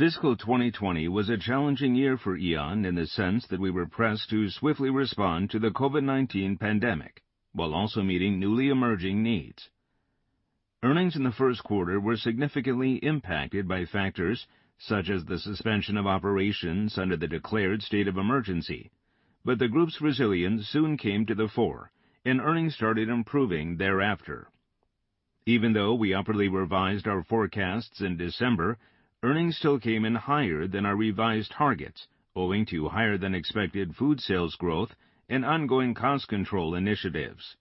Fiscal 2020 was a challenging year for Aeon in the sense that we were pressed to swiftly respond to the COVID-19 pandemic while also meeting newly emerging needs. Earnings in the Q1 were significantly impacted by factors such as the suspension of operations under the declared state of emergency, the group's resilience soon came to the fore, and earnings started improving thereafter. Even though we upwardly revised our forecasts in December, earnings still came in higher than our revised targets owing to higher-than-expected food sales growth and ongoing cost control initiatives.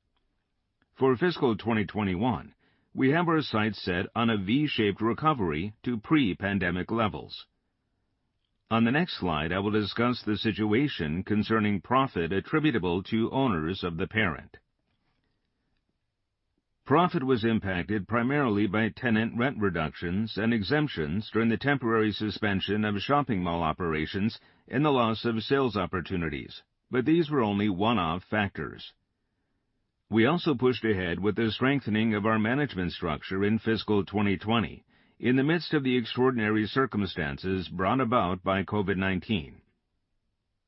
For fiscal 2021, we have our sights set on a V-shaped recovery to pre-pandemic levels. On the next slide, I will discuss the situation concerning profit attributable to owners of the parent. Profit was impacted primarily by tenant rent reductions and exemptions during the temporary suspension of shopping mall operations and the loss of sales opportunities, but these were only one-off factors. We also pushed ahead with the strengthening of our management structure in fiscal 2020 in the midst of the extraordinary circumstances brought about by COVID-19.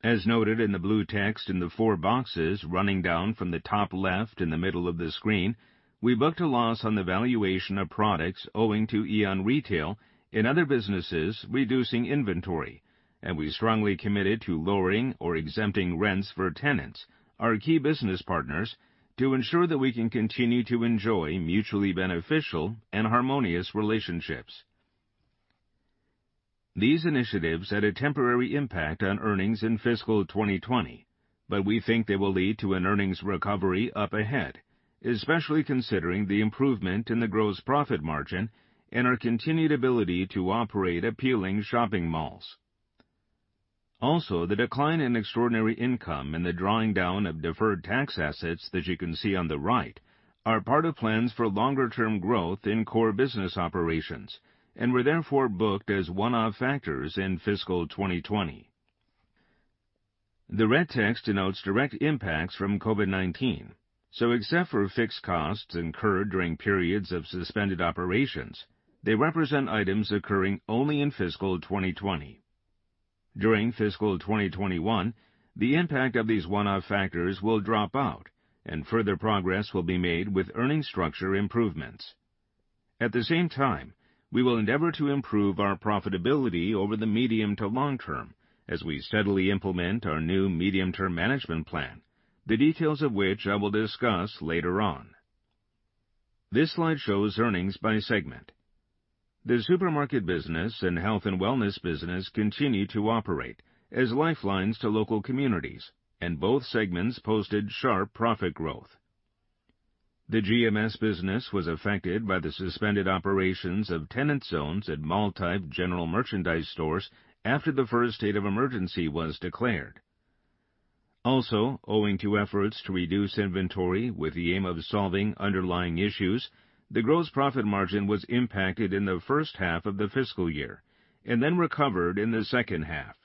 As noted in the blue text in the four boxes running down from the top left in the middle of the screen, we booked a loss on the valuation of products owing to Aeon Retail and other businesses reducing inventory, and we strongly committed to lowering or exempting rents for tenants, our key business partners, to ensure that we can continue to enjoy mutually beneficial and harmonious relationships. These initiatives had a temporary impact on earnings in fiscal 2020, but we think they will lead to an earnings recovery up ahead, especially considering the improvement in the gross profit margin and our continued ability to operate appealing shopping malls. Also, the decline in extraordinary income and the drawing down of deferred tax assets that you can see on the right are part of plans for longer-term growth in core business operations and were therefore booked as one-off factors in fiscal 2020. The red text denotes direct impacts from COVID-19, so except for fixed costs incurred during periods of suspended operations, they represent items occurring only in fiscal 2020. During fiscal 2021, the impact of these one-off factors will drop out, and further progress will be made with earning structure improvements. At the same time, we will endeavor to improve our profitability over the medium to long term as we steadily implement our new medium-term management plan, the details of which I will discuss later on. This slide shows earnings by segment. The supermarket business and health and wellness business continue to operate as lifelines to local communities, and both segments posted sharp profit growth. The GMS business was affected by the suspended operations of tenant zones at multi-type general merchandise stores after the first state of emergency was declared. Owing to efforts to reduce inventory with the aim of solving underlying issues, the gross profit margin was impacted in the H1 of the fiscal year and then recovered in the second half.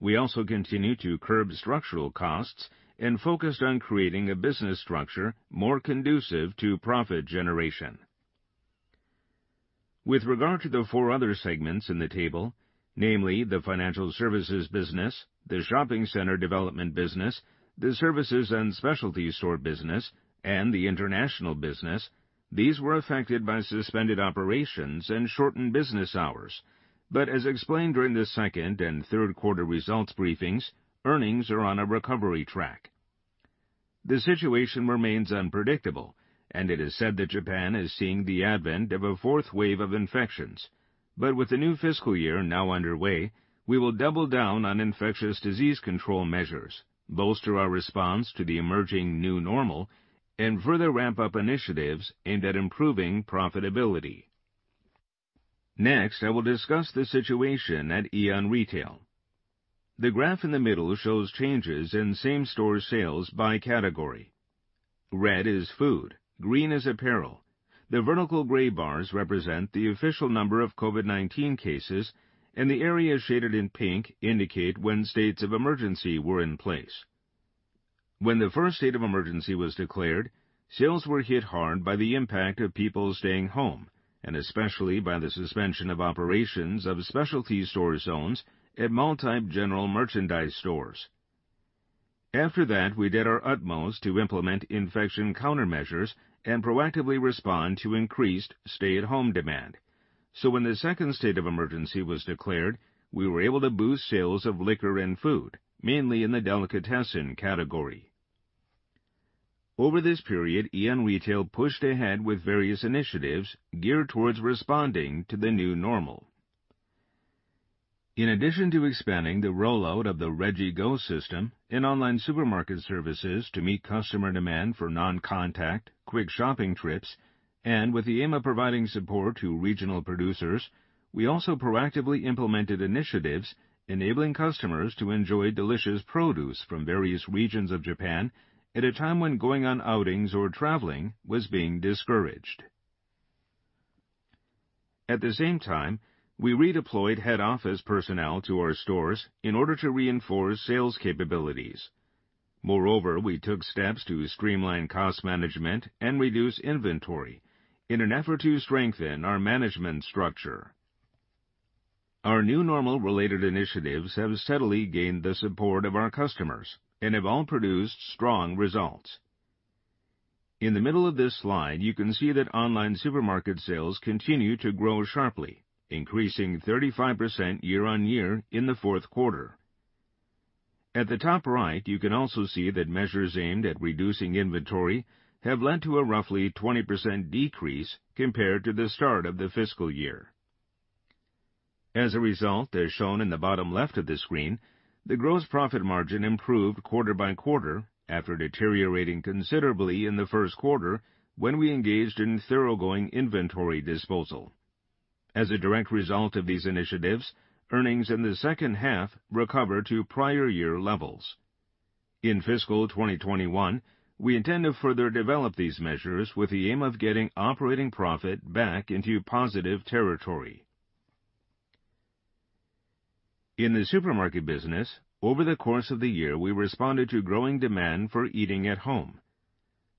We also continue to curb structural costs and focused on creating a business structure more conducive to profit generation. With regard to the four other segments in the table, namely the financial services business, the shopping center development business, the services and specialty store business, and the international business, these were affected by suspended operations and shortened business hours. As explained during the second and Q3 results briefings, earnings are on a recovery track. The situation remains unpredictable, and it is said that Japan is seeing the advent of a fourth wave of infections. With the new fiscal year now underway, we will double down on infectious disease control measures, bolster our response to the emerging new normal, and further ramp up initiatives aimed at improving profitability. Next, I will discuss the situation at AEON Retail. The graph in the middle shows changes in same-store sales by category. Red is food. Green is apparel. The vertical gray bars represent the official number of COVID-19 cases, and the areas shaded in pink indicate when states of emergency were in place. When the first state of emergency was declared, sales were hit hard by the impact of people staying home, and especially by the suspension of operations of specialty store zones at multi-type general merchandise stores. When the second state of emergency was declared, we were able to boost sales of liquor and food, mainly in the delicatessen category. Over this period, Aeon Retail pushed ahead with various initiatives geared towards responding to the new normal. In addition to expanding the rollout of the Regi-Go system and online supermarket services to meet customer demand for non-contact, quick shopping trips, and with the aim of providing support to regional producers, we also proactively implemented initiatives enabling customers to enjoy delicious produce from various regions of Japan at a time when going on outings or traveling was being discouraged. At the same time, we redeployed head office personnel to our stores in order to reinforce sales capabilities. We took steps to streamline cost management and reduce inventory in an effort to strengthen our management structure. Our new normal related initiatives have steadily gained the support of our customers and have all produced strong results. In the middle of this slide, you can see that online supermarket sales continue to grow sharply, increasing 35% year-on-year in the Q4. At the top right, you can also see that measures aimed at reducing inventory have led to a roughly 20% decrease compared to the start of the fiscal year. As a result, as shown in the bottom left of the screen, the gross profit margin improved quarter by quarter after deteriorating considerably in the first quarter when we engaged in thoroughgoing inventory disposal. As a direct result of these initiatives, earnings in the second half recovered to prior year levels. In fiscal 2021, we intend to further develop these measures with the aim of getting operating profit back into positive territory. In the supermarket business, over the course of the year, we responded to growing demand for eating at home.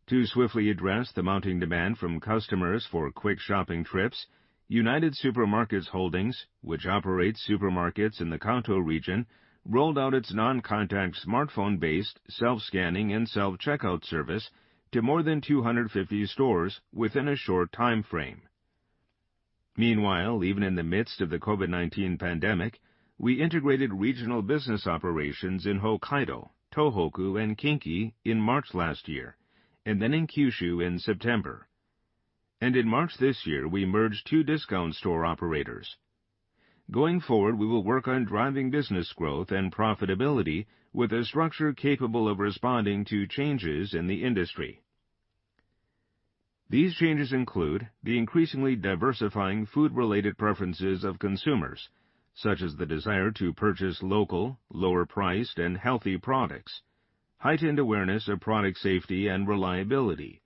To swiftly address the mounting demand from customers for quick shopping trips, United Super Markets Holdings, which operates supermarkets in the Kanto region, rolled out its non-contact smartphone-based self-scanning and self-checkout service to more than 250 stores within a short time frame. Meanwhile, even in the midst of the COVID-19 pandemic, we integrated regional business operations in Hokkaido, Tohoku, and Kinki in March last year, then in Kyushu in September. In March this year, we merged two discount store operators. Going forward, we will work on driving business growth and profitability with a structure capable of responding to changes in the industry. These changes include the increasingly diversifying food-related preferences of consumers, such as the desire to purchase local, lower-priced, and healthy products, heightened awareness of product safety and reliability,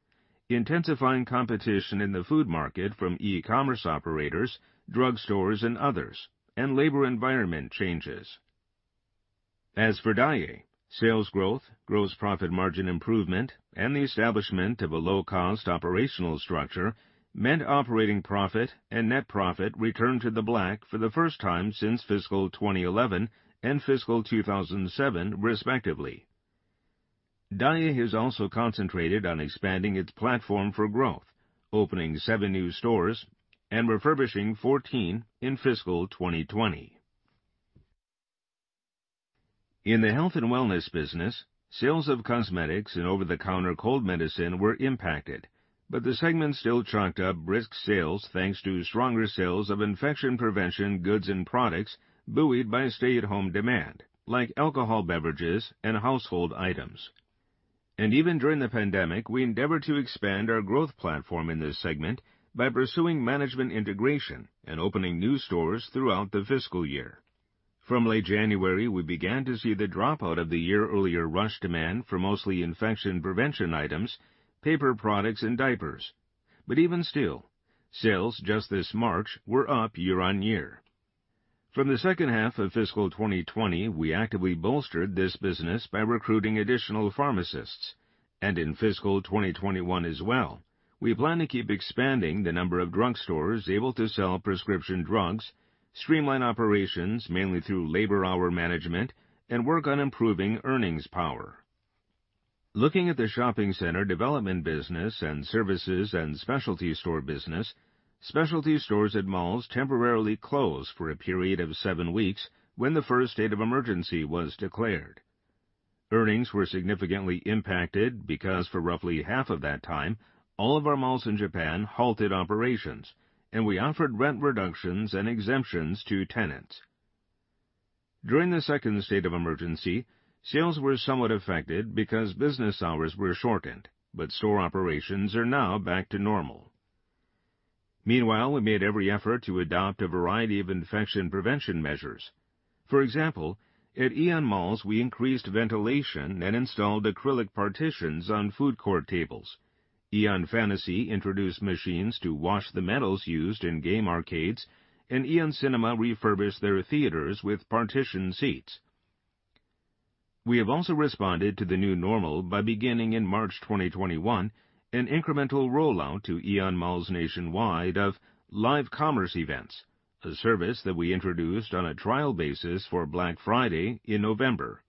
intensifying competition in the food market from e-commerce operators, drugstores, and others, and labor environment changes. As for DAIEI, sales growth, gross profit margin improvement, and the establishment of a low-cost operational structure meant operating profit and net profit returned to the black for the first time since fiscal 2011 and fiscal 2007, respectively. DAIEI has also concentrated on expanding its platform for growth, opening seven new stores and refurbishing 14 in fiscal 2020. In the Health and Wellness business, sales of cosmetics and over-the-counter cold medicine were impacted, but the segment still chalked up brisk sales thanks to stronger sales of infection prevention goods and products buoyed by stay-at-home demand, like alcohol beverages and household items. Even during the pandemic, we endeavored to expand our growth platform in this segment by pursuing management integration and opening new stores throughout the fiscal year. From late January, we began to see the dropout of the year-earlier rush demand for mostly infection prevention items, paper products, and diapers. Even still, sales just this March were up year-on-year. From the H2 of fiscal 2020, we actively bolstered this business by recruiting additional pharmacists. In fiscal 2021 as well, we plan to keep expanding the number of drugstores able to sell prescription drugs, streamline operations mainly through labor-hour management, and work on improving earnings power. Looking at the shopping center development business and services and specialty store business, specialty stores at malls temporarily closed for a period of seven weeks when the first state of emergency was declared. Earnings were significantly impacted because for roughly half of that time, all of our malls in Japan halted operations, and we offered rent reductions and exemptions to tenants. During the second state of emergency, sales were somewhat affected because business hours were shortened, but store operations are now back to normal. Meanwhile, we made every effort to adopt a variety of infection prevention measures. For example, at AEON MALLs, we increased ventilation and installed acrylic partitions on food court tables. AEON Fantasy introduced machines to wash the medals used in game arcades, and AEON CINEMA refurbished their theaters with partition seats. We have also responded to the new normal by beginning in March 2021, an incremental rollout to AEON MALLs nationwide of live commerce events, a service that we introduced on a trial basis for Black Friday in November.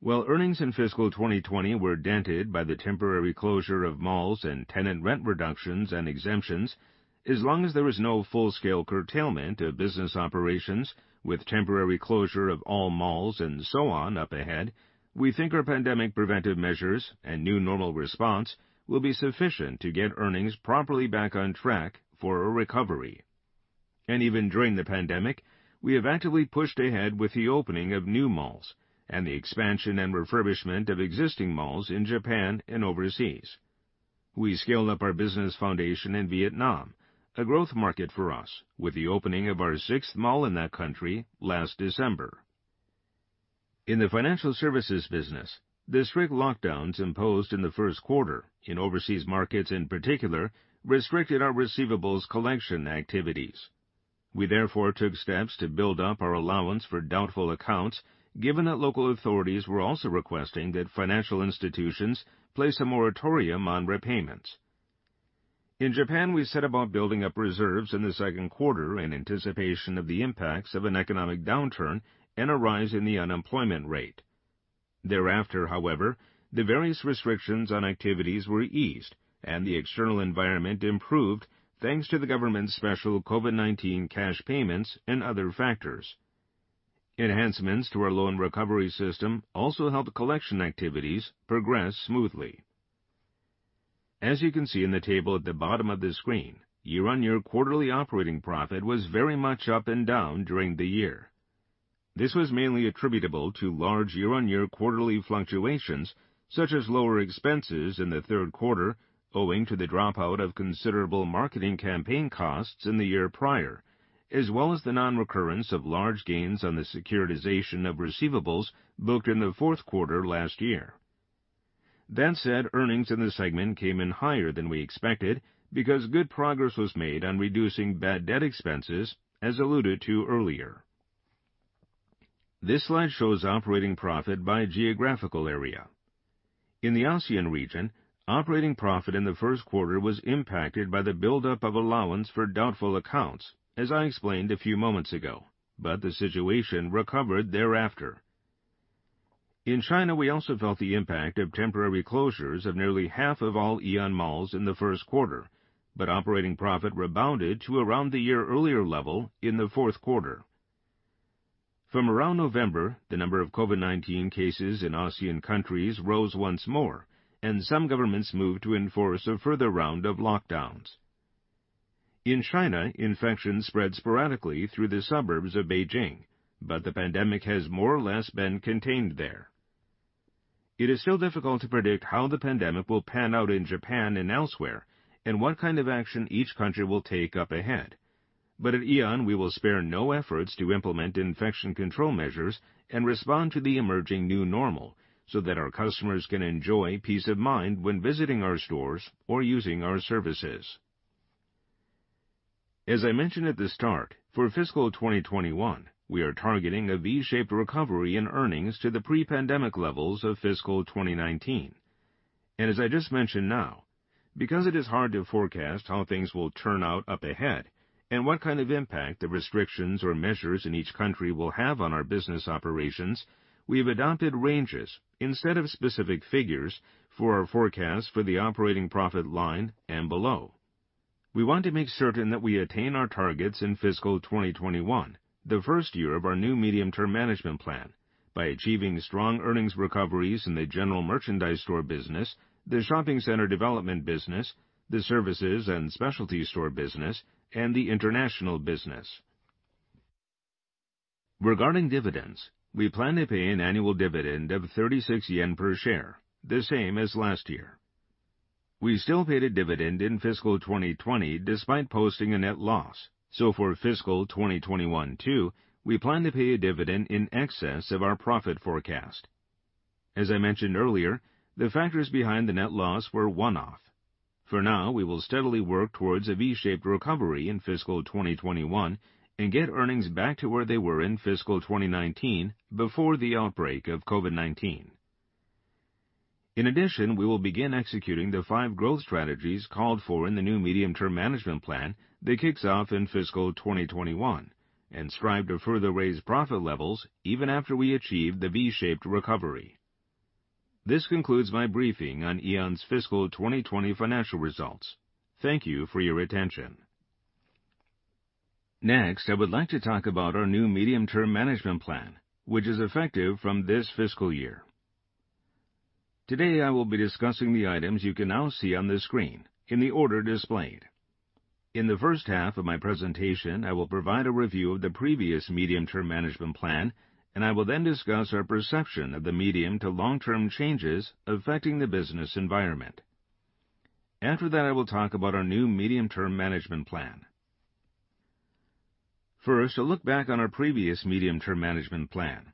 While earnings in fiscal 2020 were dented by the temporary closure of malls and tenant rent reductions and exemptions, as long as there is no full-scale curtailment of business operations with temporary closure of all malls and so on up ahead, we think our pandemic preventive measures and new normal response will be sufficient to get earnings properly back on track for a recovery. Even during the pandemic, we have actively pushed ahead with the opening of new malls and the expansion and refurbishment of existing malls in Japan and overseas. We scaled up our business foundation in Vietnam, a growth market for us, with the opening of our sixth mall in that country last December. In the financial services business, the strict lockdowns imposed in the Q1 in overseas markets in particular restricted our receivables collection activities. Therefore, we took steps to build up our allowance for doubtful accounts, given that local authorities were also requesting that financial institutions place a moratorium on repayments. In Japan, we set about building up reserves in the Q2 in anticipation of the impacts of an economic downturn and a rise in the unemployment rate. Thereafter, however, the various restrictions on activities were eased, and the external environment improved thanks to the government's special COVID-19 cash payments and other factors. Enhancements to our loan recovery system also helped collection activities progress smoothly. As you can see in the table at the bottom of the screen, year-on-year quarterly operating profit was very much up and down during the year. This was mainly attributable to large year-on-year quarterly fluctuations, such as lower expenses in the Q3 owing to the dropout of considerable marketing campaign costs in the year prior, as well as the non-recurrence of large gains on the securitization of receivables booked in the fourth quarter last year. That said, earnings in the segment came in higher than we expected because good progress was made on reducing bad debt expenses, as alluded to earlier. This slide shows operating profit by geographical area. In the ASEAN region, operating profit in the first quarter was impacted by the buildup of allowance for doubtful accounts, as I explained a few moments ago, the situation recovered thereafter. In China, we also felt the impact of temporary closures of nearly half of all AEON MALLs in the Q1, but operating profit rebounded to around the year earlier level in the fourth quarter. From around November, the number of COVID-19 cases in ASEAN countries rose once more, and some governments moved to enforce a further round of lockdowns. In China, infections spread sporadically through the suburbs of Beijing, but the pandemic has more or less been contained there. It is still difficult to predict how the pandemic will pan out in Japan and elsewhere and what kind of action each country will take up ahead. At Aeon, we will spare no efforts to implement infection control measures and respond to the emerging new normal so that our customers can enjoy peace of mind when visiting our stores or using our services. As I mentioned at the start, for fiscal 2021, we are targeting a V-shaped recovery in earnings to the pre-pandemic levels of fiscal 2019. As I just mentioned now, because it is hard to forecast how things will turn out up ahead and what kind of impact the restrictions or measures in each country will have on our business operations, we have adopted ranges instead of specific figures for our forecast for the operating profit line and below. We want to make certain that we attain our targets in fiscal 2021, the first year of our new medium-term management plan, by achieving strong earnings recoveries in the general merchandise store business, the shopping center development business, the services and specialty store business, and the international business. Regarding dividends, we plan to pay an annual dividend of 36 yen per share, the same as last year. We still paid a dividend in fiscal 2020 despite posting a net loss. For fiscal 2021 too, we plan to pay a dividend in excess of our profit forecast. As I mentioned earlier, the factors behind the net loss were one-off. For now, we will steadily work towards a V-shaped recovery in fiscal 2021 and get earnings back to where they were in fiscal 2019 before the outbreak of COVID-19. In addition, we will begin executing the five growth strategies called for in the new medium-term management plan that kicks off in fiscal 2021 and strive to further raise profit levels even after we achieve the V-shaped recovery. This concludes my briefing on Aeon's fiscal 2020 financial results. Thank you for your attention. Next, I would like to talk about our new medium-term management plan, which is effective from this fiscal year. Today, I will be discussing the items you can now see on the screen in the order displayed. In the first half of my presentation, I will provide a review of the previous medium-term management plan, and I will then discuss our perception of the medium to long-term changes affecting the business environment. After that, I will talk about our new medium-term management plan. First, a look back on our previous medium-term management plan.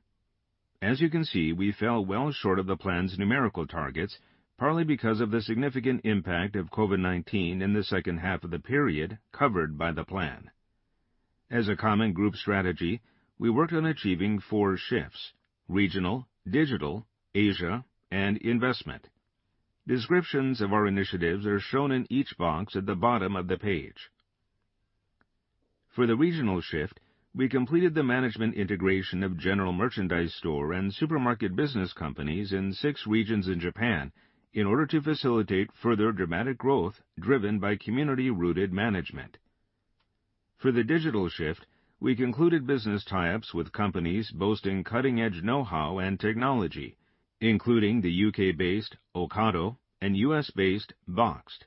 As you can see, we fell well short of the plan's numerical targets, partly because of the significant impact of COVID-19 in the second half of the period covered by the plan. As a common group strategy, we worked on achieving four shifts: regional, digital, Asia, and investment. Descriptions of our initiatives are shown in each box at the bottom of the page. For the regional shift, we completed the management integration of general merchandise store and supermarket business companies in six regions in Japan in order to facilitate further dramatic growth driven by community-rooted management. For the digital shift, we concluded business tie-ups with companies boasting cutting-edge know-how and technology, including the U.K.-based Ocado and U.S.-based Boxed.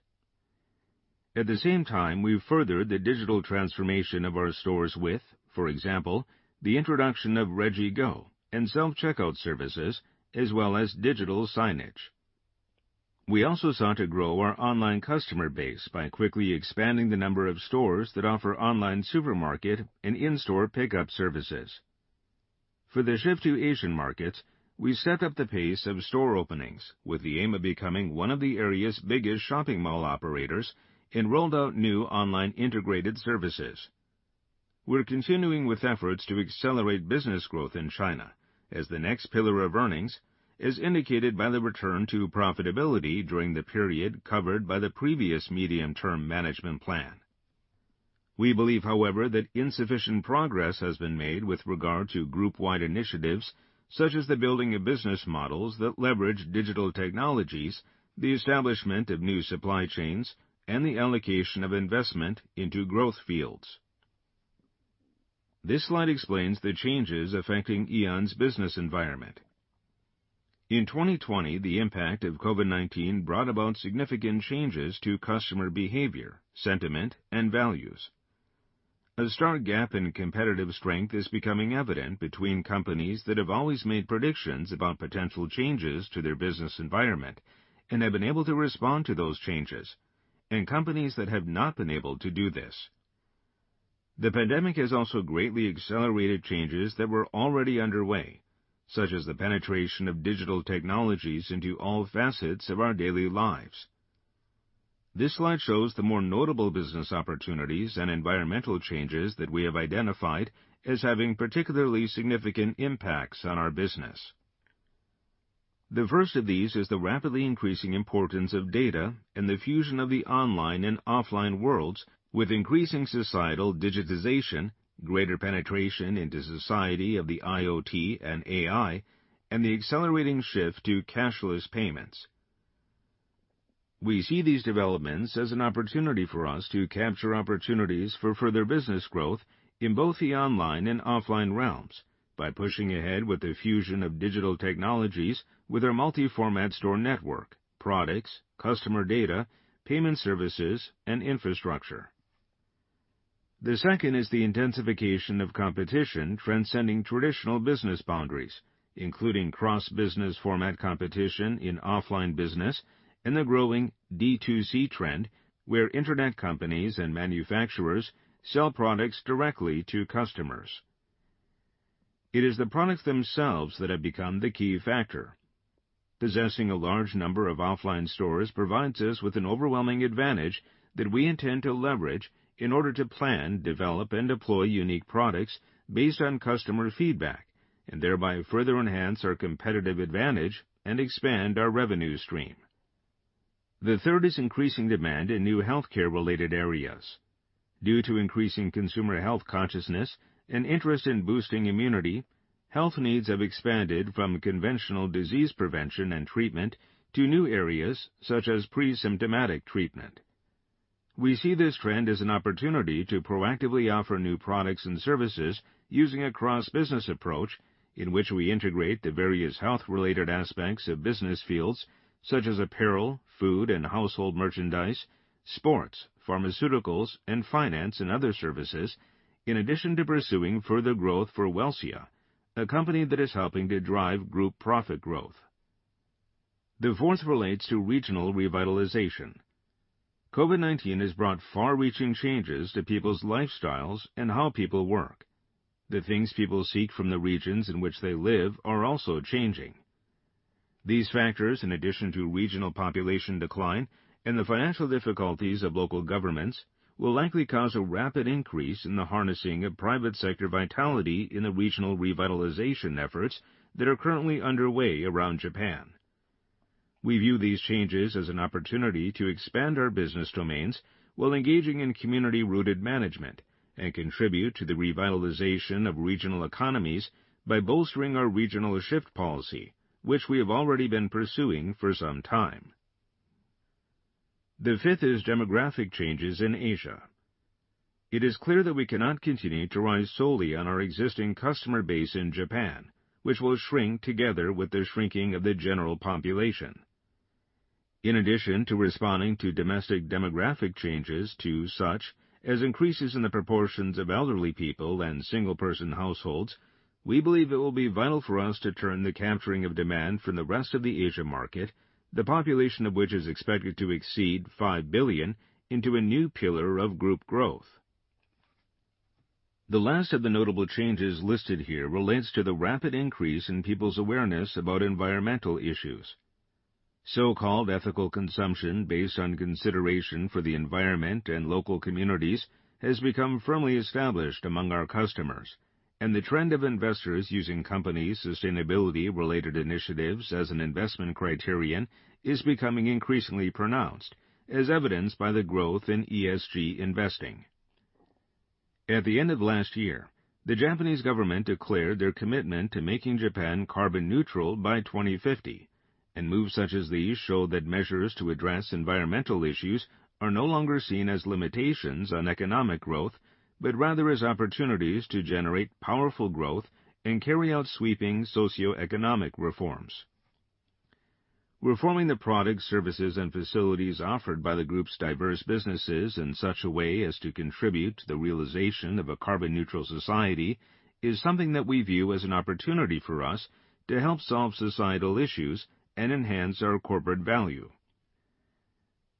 At the same time, we furthered the digital transformation of our stores with, for example, the introduction of Regi Go and self-checkout services as well as digital signage. We also sought to grow our online customer base by quickly expanding the number of stores that offer online supermarket and in-store pickup services. For the shift to Asian markets, we stepped up the pace of store openings with the aim of becoming one of the area's biggest shopping mall operators and rolled out new online integrated services. We're continuing with efforts to accelerate business growth in China as the next pillar of earnings, as indicated by the return to profitability during the period covered by the previous medium-term management plan. We believe, however, that insufficient progress has been made with regard to group-wide initiatives such as the building of business models that leverage digital technologies, the establishment of new supply chains, and the allocation of investment into growth fields. This slide explains the changes affecting Aeon's business environment. In 2020, the impact of COVID-19 brought about significant changes to customer behavior, sentiment, and values. A stark gap in competitive strength is becoming evident between companies that have always made predictions about potential changes to their business environment and have been able to respond to those changes, and companies that have not been able to do this. The pandemic has also greatly accelerated changes that were already underway, such as the penetration of digital technologies into all facets of our daily lives. This slide shows the more notable business opportunities and environmental changes that we have identified as having particularly significant impacts on our business. The first of these is the rapidly increasing importance of data and the fusion of the online and offline worlds, with increasing societal digitization, greater penetration into society of the IoT and AI, and the accelerating shift to cashless payments. We see these developments as an opportunity for us to capture opportunities for further business growth in both the online and offline realms by pushing ahead with the fusion of digital technologies with our multi-format store network, products, customer data, payment services, and infrastructure. The second is the intensification of competition transcending traditional business boundaries, including cross-business format competition in offline business and the growing D2C trend, where internet companies and manufacturers sell products directly to customers. It is the products themselves that have become the key factor. Possessing a large number of offline stores provides us with an overwhelming advantage that we intend to leverage in order to plan, develop, and deploy unique products based on customer feedback, and thereby further enhance our competitive advantage and expand our revenue stream. The third is increasing demand in new healthcare-related areas. Due to increasing consumer health consciousness and interest in boosting immunity, health needs have expanded from conventional disease prevention and treatment to new areas such as pre-symptomatic treatment. We see this trend as an opportunity to proactively offer new products and services using a cross-business approach in which we integrate the various health-related aspects of business fields such as apparel, food and household merchandise, sports, pharmaceuticals, and finance and other services, in addition to pursuing further growth for Welcia, a company that is helping to drive group profit growth. The fourth relates to regional revitalization. COVID-19 has brought far-reaching changes to people's lifestyles and how people work. The things people seek from the regions in which they live are also changing. These factors, in addition to regional population decline and the financial difficulties of local governments, will likely cause a rapid increase in the harnessing of private sector vitality in the regional revitalization efforts that are currently underway around Japan. We view these changes as an opportunity to expand our business domains while engaging in community-rooted management and contribute to the revitalization of regional economies by bolstering our regional shift policy, which we have already been pursuing for some time. The fifth is demographic changes in Asia. It is clear that we cannot continue to rely solely on our existing customer base in Japan, which will shrink together with the shrinking of the general population. In addition to responding to domestic demographic changes such as increases in the proportions of elderly people and single-person households, we believe it will be vital for us to turn the capturing of demand from the rest of the Asia market, the population of which is expected to exceed five billion, into a new pillar of group growth. The last of the notable changes listed here relates to the rapid increase in people's awareness about environmental issues. So-called ethical consumption based on consideration for the environment and local communities has become firmly established among our customers, and the trend of investors using companies' sustainability-related initiatives as an investment criterion is becoming increasingly pronounced, as evidenced by the growth in ESG investing. At the end of last year, the Japanese government declared their commitment to making Japan carbon neutral by 2050, and moves such as these show that measures to address environmental issues are no longer seen as limitations on economic growth, but rather as opportunities to generate powerful growth and carry out sweeping socioeconomic reforms. Reforming the products, services, and facilities offered by the group's diverse businesses in such a way as to contribute to the realization of a carbon neutral society is something that we view as an opportunity for us to help solve societal issues and enhance our corporate value.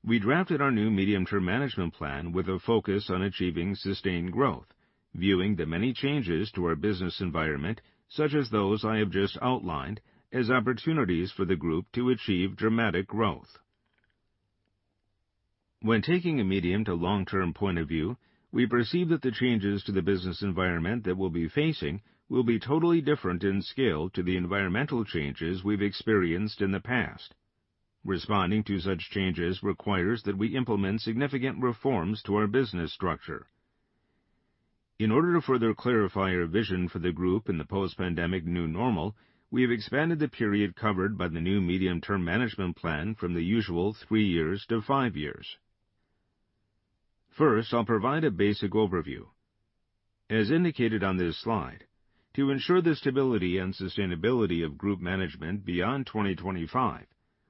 We drafted our new medium-term management plan with a focus on achieving sustained growth, viewing the many changes to our business environment, such as those I have just outlined, as opportunities for the group to achieve dramatic growth. When taking a medium to long-term point of view, we perceive that the changes to the business environment that we'll be facing will be totally different in scale to the environmental changes we've experienced in the past. Responding to such changes requires that we implement significant reforms to our business structure. In order to further clarify our vision for the group in the post-pandemic new normal, we have expanded the period covered by the new medium-term management plan from the usual three years to five years. First, I'll provide a basic overview. As indicated on this slide, to ensure the stability and sustainability of group management beyond 2025,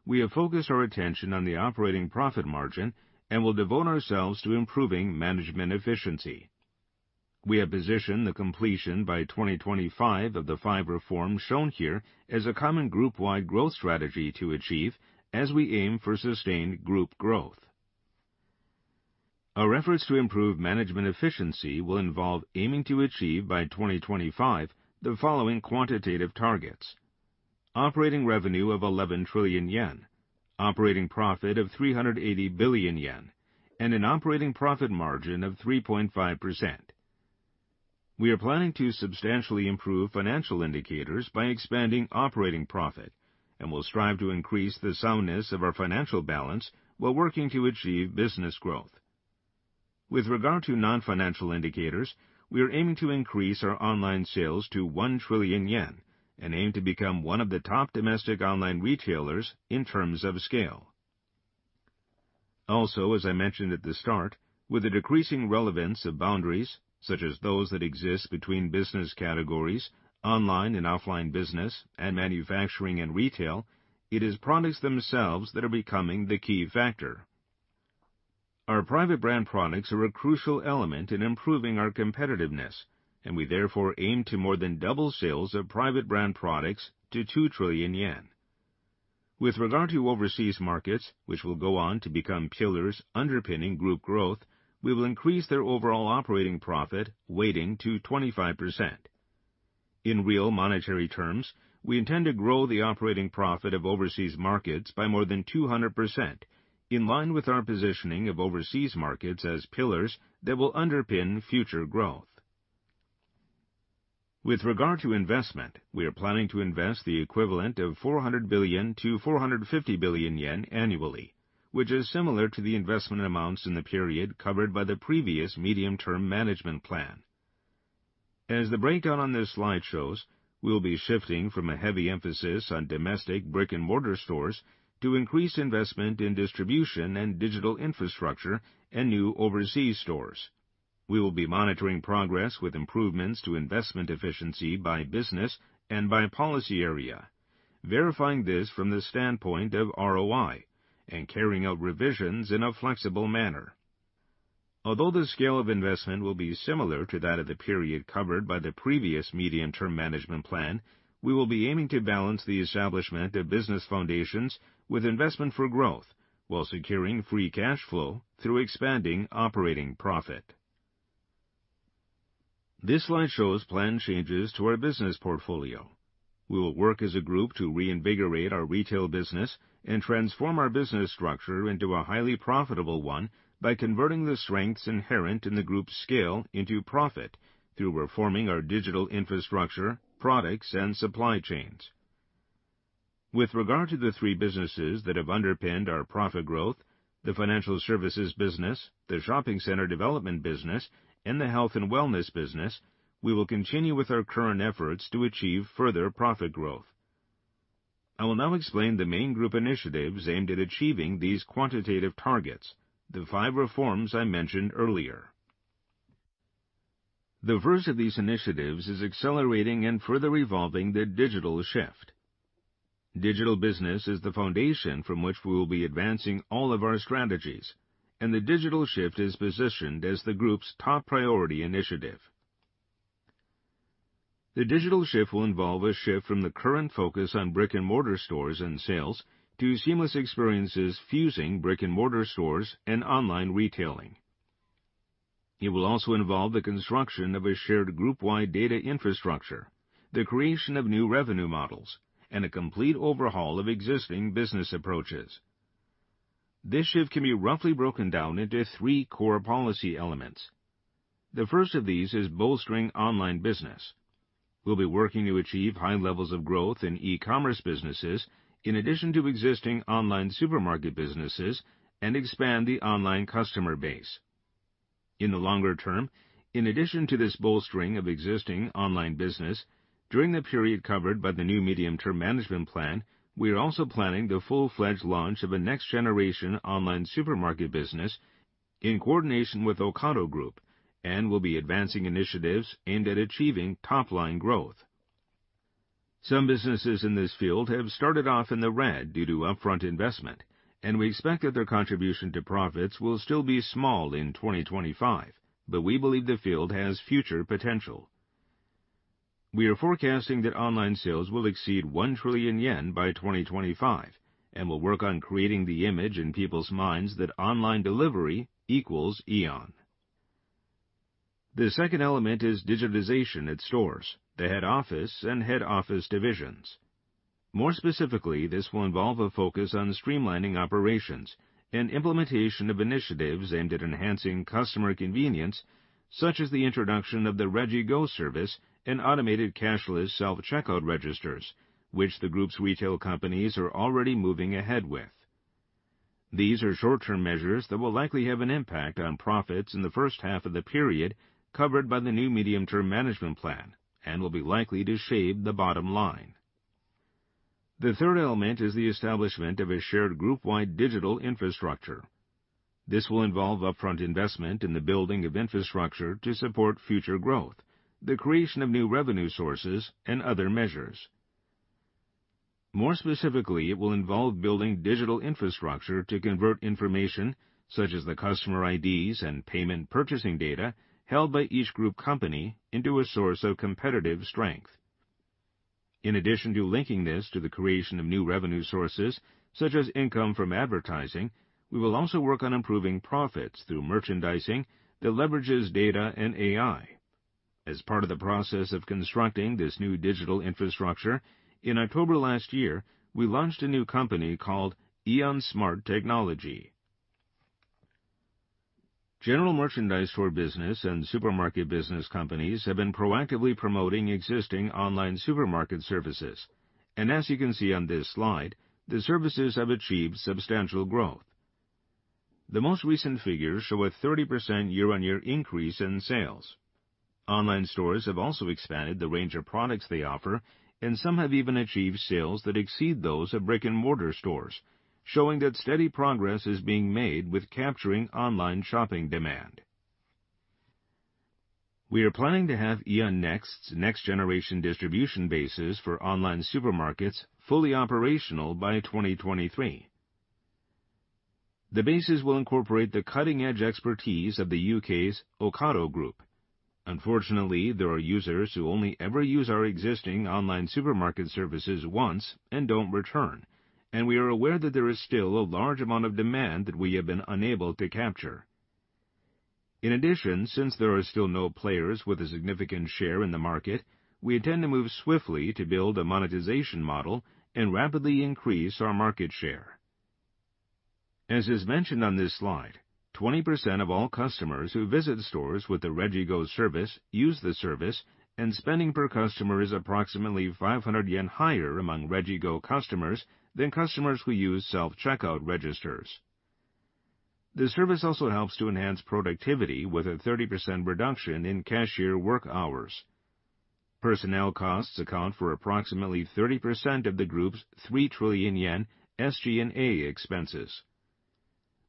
we have focused our attention on the operating profit margin and will devote ourselves to improving management efficiency. We have positioned the completion by 2025 of the five reforms shown here as a common groupwide growth strategy to achieve as we aim for sustained group growth. Our efforts to improve management efficiency will involve aiming to achieve by 2025 the following quantitative targets: operating revenue of 11 trillion yen, operating profit of 380 billion yen, and an operating profit margin of 3.5%. We are planning to substantially improve financial indicators by expanding operating profit and will strive to increase the soundness of our financial balance while working to achieve business growth. With regard to non-financial indicators, we are aiming to increase our online sales to 1 trillion yen and aim to become one of the top domestic online retailers in terms of scale. Also, as I mentioned at the start, with the decreasing relevance of boundaries, such as those that exist between business categories, online and offline business, and manufacturing and retail, it is products themselves that are becoming the key factor. Our private brand products are a crucial element in improving our competitiveness, and we therefore aim to more than double sales of private brand products to 2 trillion yen. With regard to overseas markets, which will go on to become pillars underpinning Group growth, we will increase their overall operating profit weighting to 25%. In real monetary terms, we intend to grow the operating profit of overseas markets by more than 200%, in line with our positioning of overseas markets as pillars that will underpin future growth. With regard to investment, we are planning to invest the equivalent of 400 billion-450 billion yen annually, which is similar to the investment amounts in the period covered by the previous medium-term management plan. As the breakdown on this slide shows, we will be shifting from a heavy emphasis on domestic brick-and-mortar stores to increased investment in distribution and digital infrastructure and new overseas stores. We will be monitoring progress with improvements to investment efficiency by business and by policy area, verifying this from the standpoint of ROI and carrying out revisions in a flexible manner. Although the scale of investment will be similar to that of the period covered by the previous medium-term management plan, we will be aiming to balance the establishment of business foundations with investment for growth while securing free cash flow through expanding operating profit. This slide shows planned changes to our business portfolio. We will work as a group to reinvigorate our retail business and transform our business structure into a highly profitable one by converting the strengths inherent in the group's scale into profit through reforming our digital infrastructure, products, and supply chains. With regard to the three businesses that have underpinned our profit growth, the financial services business, the shopping center development business, and the health and wellness business, we will continue with our current efforts to achieve further profit growth. I will now explain the main group initiatives aimed at achieving these quantitative targets, the five reforms I mentioned earlier. The first of these initiatives is accelerating and further evolving the Digital Shift. Digital business is the foundation from which we will be advancing all of our strategies, and the Digital Shift is positioned as the group's top priority initiative. The Digital Shift will involve a shift from the current focus on brick-and-mortar stores and sales to seamless experiences fusing brick-and-mortar stores and online retailing. It will also involve the construction of a shared groupwide data infrastructure, the creation of new revenue models, and a complete overhaul of existing business approaches. This shift can be roughly broken down into three core policy elements. The first of these is bolstering online business. We'll be working to achieve high levels of growth in e-commerce businesses, in addition to existing online supermarket businesses, and expand the online customer base. In the longer term, in addition to this bolstering of existing online business, during the period covered by the new medium-term management plan, we are also planning the full-fledged launch of a next-generation online supermarket business in coordination with Ocado Group and will be advancing initiatives aimed at achieving top-line growth. Some businesses in this field have started off in the red due to upfront investment, and we expect that their contribution to profits will still be small in 2025, but we believe the field has future potential. We are forecasting that online sales will exceed 1 trillion yen by 2025, and will work on creating the image in people's minds that online delivery equals Aeon. The second element is digitization at stores, the head office, and head office divisions. More specifically, this will involve a focus on streamlining operations and implementation of initiatives aimed at enhancing customer convenience, such as the introduction of the Regi Go service and automated cashless self-checkout registers, which the group's retail companies are already moving ahead with. These are short-term measures that will likely have an impact on profits in the first half of the period covered by the new medium-term management plan and will be likely to shape the bottom line. The third element is the establishment of a shared group-wide digital infrastructure. This will involve upfront investment in the building of infrastructure to support future growth, the creation of new revenue sources, and other measures. More specifically, it will involve building digital infrastructure to convert information such as the customer IDs and payment purchasing data held by each group company into a source of competitive strength. In addition to linking this to the creation of new revenue sources, such as income from advertising, we will also work on improving profits through merchandising that leverages data and AI. As part of the process of constructing this new digital infrastructure, in October last year, we launched a new company called AEON Smart Technology. General merchandise store business and supermarket business companies have been proactively promoting existing online supermarket services. As you can see on this slide, the services have achieved substantial growth. The most recent figures show a 30% year-on-year increase in sales. Online stores have also expanded the range of products they offer, and some have even achieved sales that exceed those of brick-and-mortar stores, showing that steady progress is being made with capturing online shopping demand. We are planning to have AEON Next's next-generation distribution bases for online supermarkets fully operational by 2023. The bases will incorporate the cutting-edge expertise of the U.K.'s Ocado Group. Unfortunately, there are users who only ever use our existing online supermarket services once and don't return, and we are aware that there is still a large amount of demand that we have been unable to capture. In addition, since there are still no players with a significant share in the market, we intend to move swiftly to build a monetization model and rapidly increase our market share. As is mentioned on this slide, 20% of all customers who visit stores with the Regi-Go service use the service, and spending per customer is approximately 500 yen higher among Regi-Go customers than customers who use self-checkout registers. The service also helps to enhance productivity with a 30% reduction in cashier work hours. Personnel costs account for approximately 30% of the group's 3 trillion yen SG&A expenses.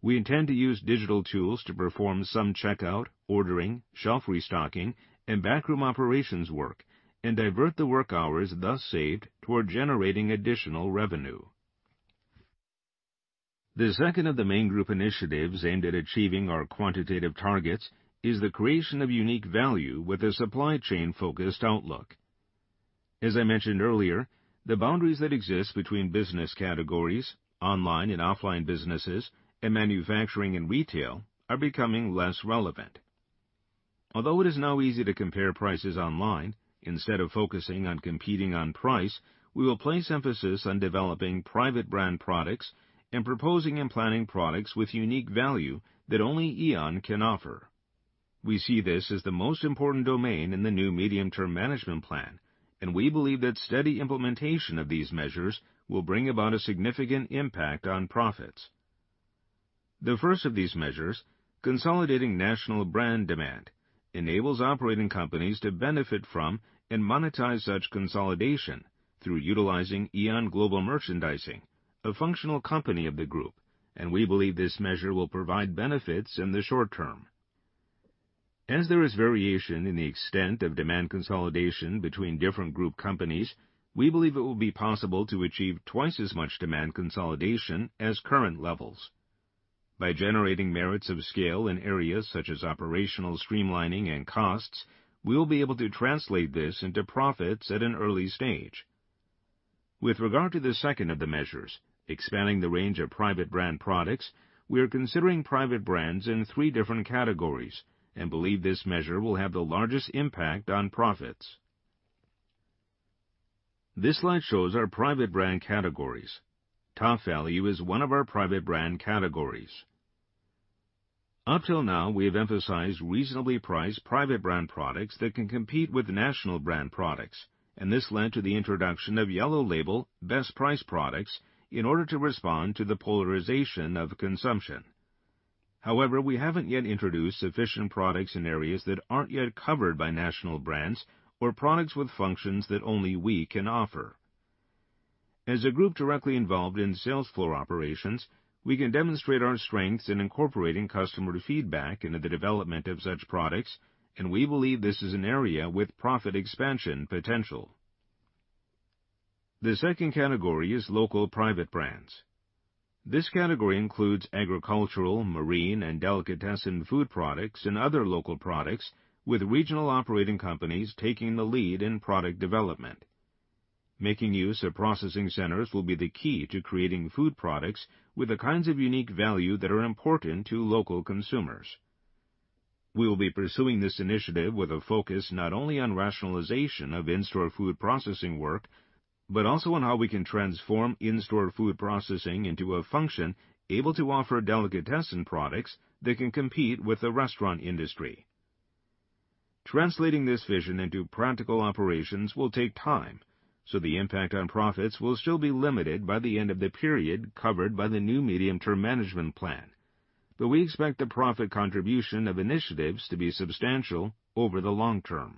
We intend to use digital tools to perform some checkout, ordering, shelf restocking, and backroom operations work and divert the work hours thus saved toward generating additional revenue. The second of the main group initiatives aimed at achieving our quantitative targets is the creation of unique value with a supply chain-focused outlook. As I mentioned earlier, the boundaries that exist between business categories, online and offline businesses, and manufacturing and retail are becoming less relevant. Although it is now easy to compare prices online, instead of focusing on competing on price, we will place emphasis on developing private brand products and proposing and planning products with unique value that only Aeon can offer. We see this as the most important domain in the new medium-term management plan. We believe that steady implementation of these measures will bring about a significant impact on profits. The first of these measures, consolidating national brand demand, enables operating companies to benefit from and monetize such consolidation through utilizing AEON GLOBAL MERCHANDISING, a functional company of the group, and we believe this measure will provide benefits in the short term. As there is variation in the extent of demand consolidation between different group companies, we believe it will be possible to achieve twice as much demand consolidation as current levels. By generating merits of scale in areas such as operational streamlining and costs, we will be able to translate this into profits at an early stage. With regard to the second of the measures, expanding the range of private brand products, we are considering private brands in three different categories and believe this measure will have the largest impact on profits. This slide shows our private brand categories. TOPVALU is one of our private brand categories. Up till now, we have emphasized reasonably priced private brand products that can compete with national brand products, and this led to the introduction of Yellow Label BESTPRICE products in order to respond to the polarization of consumption. However, we haven't yet introduced sufficient products in areas that aren't yet covered by national brands or products with functions that only we can offer. As a group directly involved in sales floor operations, we can demonstrate our strengths in incorporating customer feedback into the development of such products, and we believe this is an area with profit expansion potential. The second category is local private brands. This category includes agricultural, marine, and delicatessen food products and other local products, with regional operating companies taking the lead in product development. Making use of processing centers will be the key to creating food products with the kinds of unique value that are important to local consumers. We will be pursuing this initiative with a focus not only on rationalization of in-store food processing work, but also on how we can transform in-store food processing into a function able to offer delicatessen products that can compete with the restaurant industry. Translating this vision into practical operations will take time, so the impact on profits will still be limited by the end of the period covered by the new medium-term management plan, though we expect the profit contribution of initiatives to be substantial over the long term.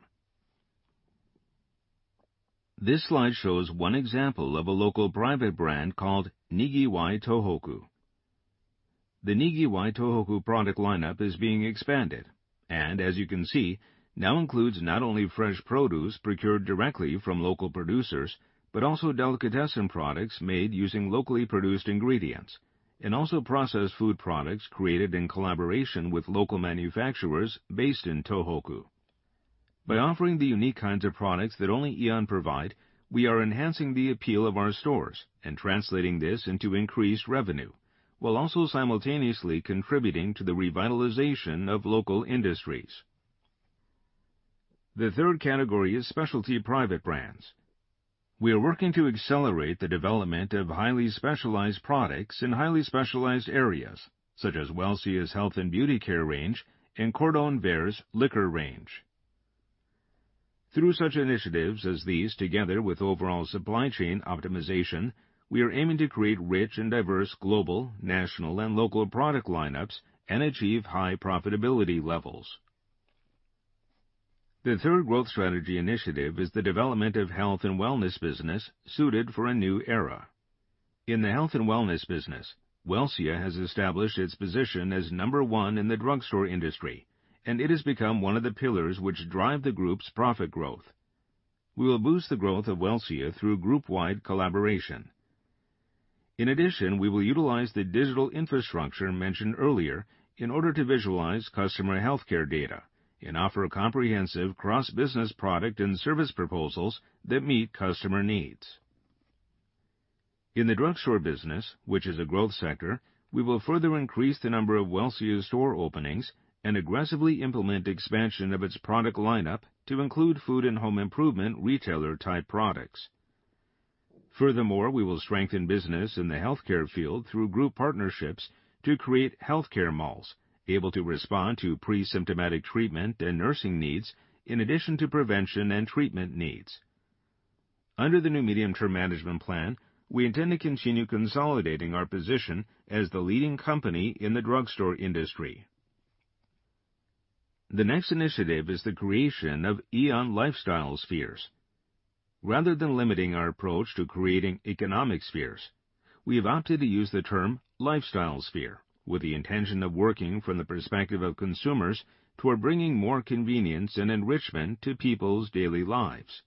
This slide shows one example of a local private brand called Nigiwai Tohoku. The Nigiwai Tohoku product lineup is being expanded, and as you can see, now includes not only fresh produce procured directly from local producers, but also delicatessen products made using locally produced ingredients, and also processed food products created in collaboration with local manufacturers based in Tohoku. By offering the unique kinds of products that only Aeon provide, we are enhancing the appeal of our stores and translating this into increased revenue, while also simultaneously contributing to the revitalization of local industries. The third category is specialty private brands. We are working to accelerate the development of highly specialized products in highly specialized areas such as Welcia's health and beauty care range and Cordon Vert's liquor range. Through such initiatives as these, together with overall supply chain optimization, we are aiming to create rich and diverse global, national, and local product lineups and achieve high profitability levels. The third growth strategy initiative is the development of health and wellness business suited for a new era. In the health and wellness business, Welcia has established its position as number one in the drugstore industry. It has become one of the pillars which drive the group's profit growth. We will boost the growth of Welcia through group-wide collaboration. In addition, we will utilize the digital infrastructure mentioned earlier in order to visualize customer healthcare data and offer comprehensive cross-business product and service proposals that meet customer needs. In the drugstore business, which is a growth sector, we will further increase the number of Welcia store openings and aggressively implement expansion of its product lineup to include food and home improvement retailer-type products. Furthermore, we will strengthen business in the healthcare field through group partnerships to create healthcare malls able to respond to pre-symptomatic treatment and nursing needs, in addition to prevention and treatment needs. Under the new medium-term management plan, we intend to continue consolidating our position as the leading company in the drugstore industry. The next initiative is the creation of Aeon Lifestyle Spheres. Rather than limiting our approach to creating economic spheres, we have opted to use the term lifestyle sphere with the intention of working from the perspective of consumers toward bringing more convenience and enrichment to people's daily lives.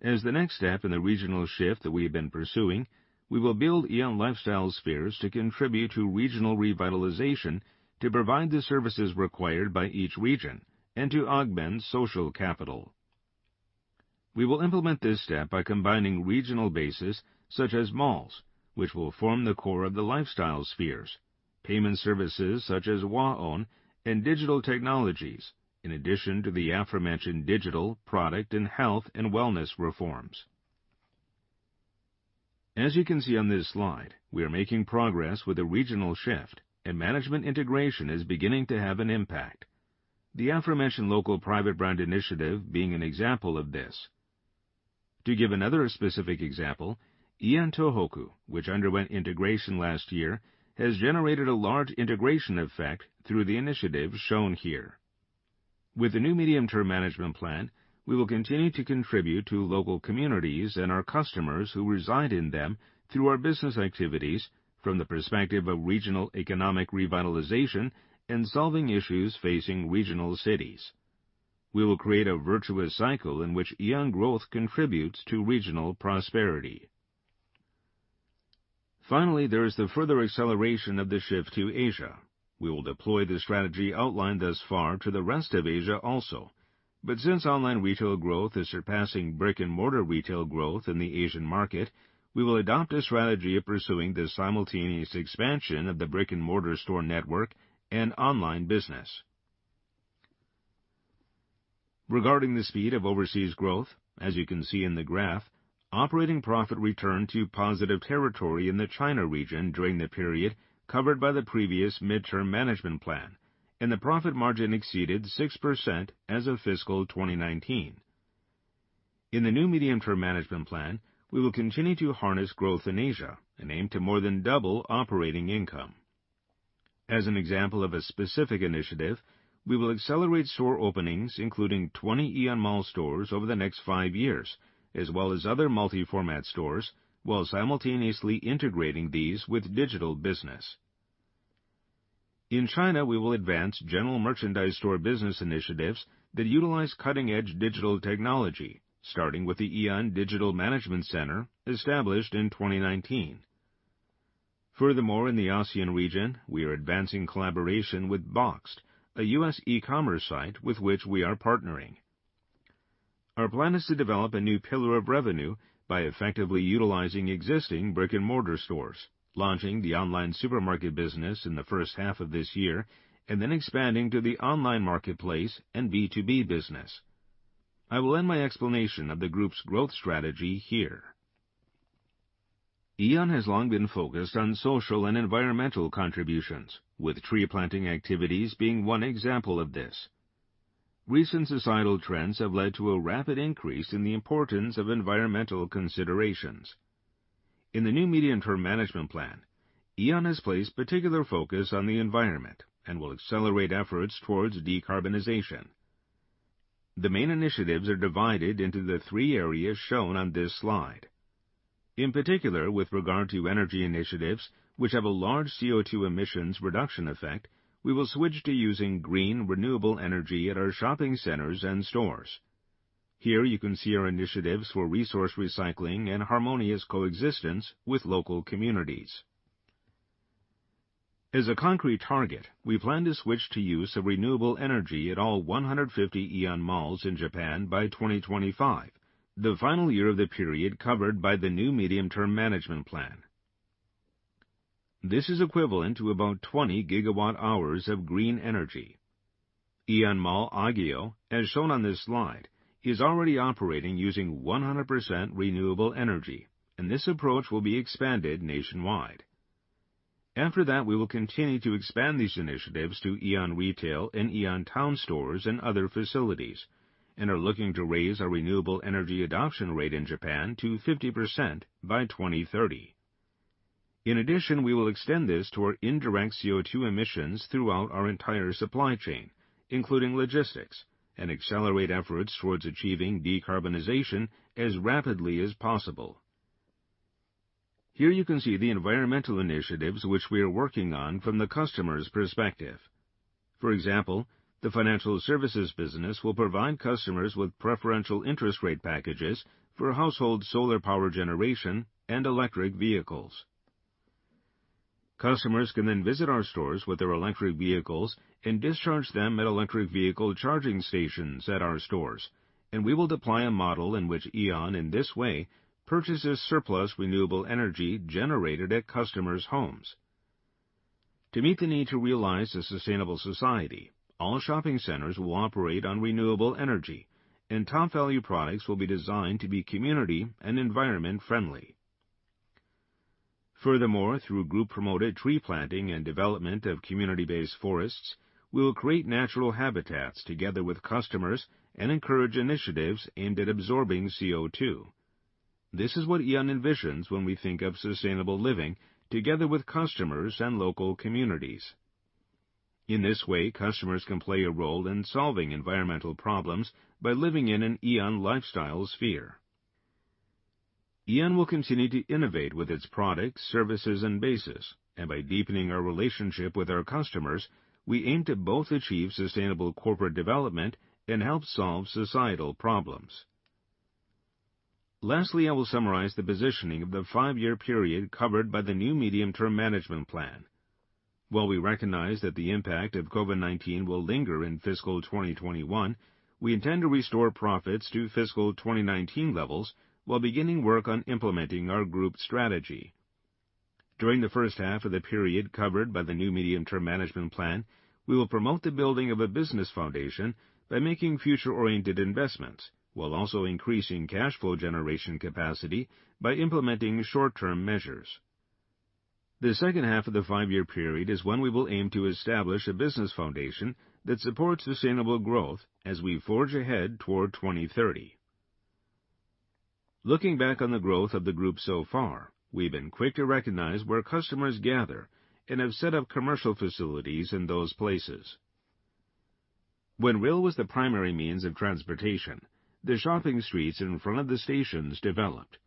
As the next step in the regional shift that we have been pursuing, we will build Aeon Lifestyle Spheres to contribute to regional revitalization, to provide the services required by each region, and to augment social capital. We will implement this step by combining regional bases such as malls, which will form the core of the lifestyle spheres, payment services such as WAON, and digital technologies, in addition to the aforementioned digital, product, and health and wellness reforms. As you can see on this slide, we are making progress with the regional shift, and management integration is beginning to have an impact. The aforementioned local private brand initiative being an example of this. To give another specific example, AEON Tohoku, which underwent integration last year, has generated a large integration effect through the initiatives shown here. With the new medium-term management plan, we will continue to contribute to local communities and our customers who reside in them through our business activities from the perspective of regional economic revitalization and solving issues facing regional cities. We will create a virtuous cycle in which Aeon growth contributes to regional prosperity. Finally, there is the further acceleration of the shift to Asia. We will deploy the strategy outlined thus far to the rest of Asia also. Since online retail growth is surpassing brick-and-mortar retail growth in the Asian market, we will adopt a strategy of pursuing the simultaneous expansion of the brick-and-mortar store network and online business. Regarding the speed of overseas growth, as you can see in the graph, operating profit returned to positive territory in the China region during the period covered by the previous midterm management plan, and the profit margin exceeded 6% as of fiscal 2019. In the new medium-term management plan, we will continue to harness growth in Asia and aim to more than double operating income. As an example of a specific initiative, we will accelerate store openings, including 20 AEON MALL stores over the next five years, as well as other multi-format stores, while simultaneously integrating these with digital business. In China, we will advance general merchandise store business initiatives that utilize cutting-edge digital technology, starting with the Aeon Digital Management Center established in 2019. Furthermore, in the ASEAN region, we are advancing collaboration with Boxed, a U.S. e-commerce site with which we are partnering. Our plan is to develop a new pillar of revenue by effectively utilizing existing brick-and-mortar stores, launching the online supermarket business in the first half of this year, and then expanding to the online marketplace and B2B business. I will end my explanation of the group's growth strategy here. Aeon has long been focused on social and environmental contributions, with tree planting activities being one example of this. Recent societal trends have led to a rapid increase in the importance of environmental considerations. In the new Medium-Term Management Plan, Aeon has placed particular focus on the environment and will accelerate efforts towards decarbonization. The main initiatives are divided into the three areas shown on this slide. In particular, with regard to energy initiatives, which have a large CO2 emissions reduction effect, we will switch to using green renewable energy at our shopping centers and stores. Here you can see our initiatives for resource recycling and harmonious coexistence with local communities. As a concrete target, we plan to switch to use of renewable energy at all 150 AEON MALLs in Japan by 2025, the final year of the period covered by the new Medium-Term Management Plan. This is equivalent to about 20 gigawatt-hours of green energy. Aeon Mall Ageo, as shown on this slide, is already operating using 100% renewable energy, and this approach will be expanded nationwide. After that, we will continue to expand these initiatives to Aeon Retail and Aeon Town stores and other facilities, and are looking to raise our renewable energy adoption rate in Japan to 50% by 2030. In addition, we will extend this to our indirect CO2 emissions throughout our entire supply chain, including logistics, and accelerate efforts towards achieving decarbonization as rapidly as possible. Here you can see the environmental initiatives which we are working on from the customer's perspective. For example, the financial services business will provide customers with preferential interest rate packages for household solar power generation and electric vehicles. Customers can then visit our stores with their electric vehicles and discharge them at electric vehicle charging stations at our stores, and we will deploy a model in which Aeon, in this way, purchases surplus renewable energy generated at customers' homes. To meet the need to realize a sustainable society, all shopping centers will operate on renewable energy, and Topvalu products will be designed to be community and environment-friendly. Furthermore, through group-promoted tree planting and development of community-based forests, we will create natural habitats together with customers and encourage initiatives aimed at absorbing CO2. This is what Aeon envisions when we think of sustainable living together with customers and local communities. In this way, customers can play a role in solving environmental problems by living in an Aeon lifestyle sphere. Aeon will continue to innovate with its products, services, and bases, and by deepening our relationship with our customers, we aim to both achieve sustainable corporate development and help solve societal problems. Lastly, I will summarize the positioning of the five-year period covered by the new Medium-Term Management Plan. While we recognize that the impact of COVID-19 will linger in fiscal 2021, we intend to restore profits to fiscal 2019 levels while beginning work on implementing our group strategy. During the first half of the period covered by the new Medium-Term Management Plan, we will promote the building of a business foundation by making future-oriented investments, while also increasing cash flow generation capacity by implementing short-term measures. The second half of the five-year period is when we will aim to establish a business foundation that supports sustainable growth as we forge ahead toward 2030. Looking back on the growth of the group so far, we've been quick to recognize where customers gather and have set up commercial facilities in those places. When rail was the primary means of transportation, the shopping streets in front of the stations developed.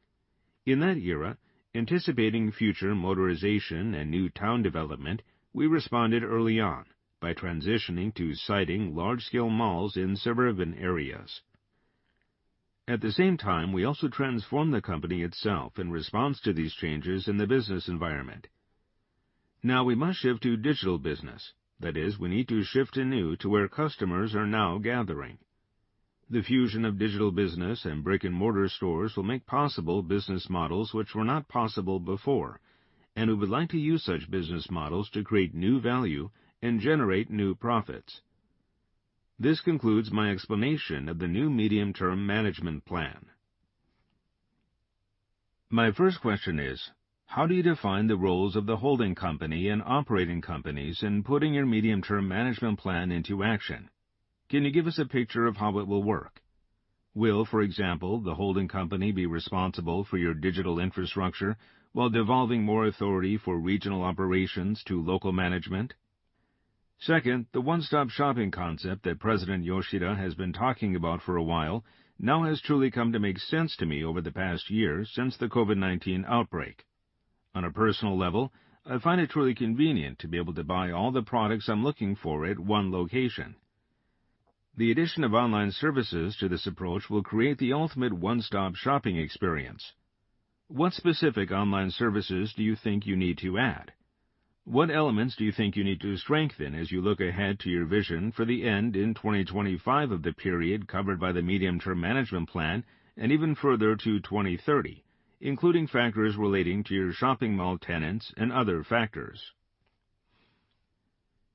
In that era, anticipating future motorization and new town development, we responded early on by transitioning to siting large-scale malls in suburban areas. At the same time, we also transformed the company itself in response to these changes in the business environment. Now we must shift to digital business. That is, we need to shift anew to where customers are now gathering. The fusion of digital business and brick-and-mortar stores will make possible business models which were not possible before, and we would like to use such business models to create new value and generate new profits. This concludes my explanation of the new Medium-Term Management Plan. My first question is: How do you define the roles of the holding company and operating companies in putting your Medium-Term Management Plan into action? Can you give us a picture of how it will work? Will, for example, the holding company be responsible for your digital infrastructure while devolving more authority for regional operations to local management? Second, the one-stop shopping concept that President Yoshida has been talking about for a while now has truly come to make sense to me over the past year since the COVID-19 outbreak. On a personal level, I find it truly convenient to be able to buy all the products I'm looking for at one location. The addition of online services to this approach will create the ultimate one-stop shopping experience. What specific online services do you think you need to add? What elements do you think you need to strengthen as you look ahead to your vision for the end in 2025 of the period covered by the medium-term management plan and even further to 2030, including factors relating to your shopping mall tenants and other factors?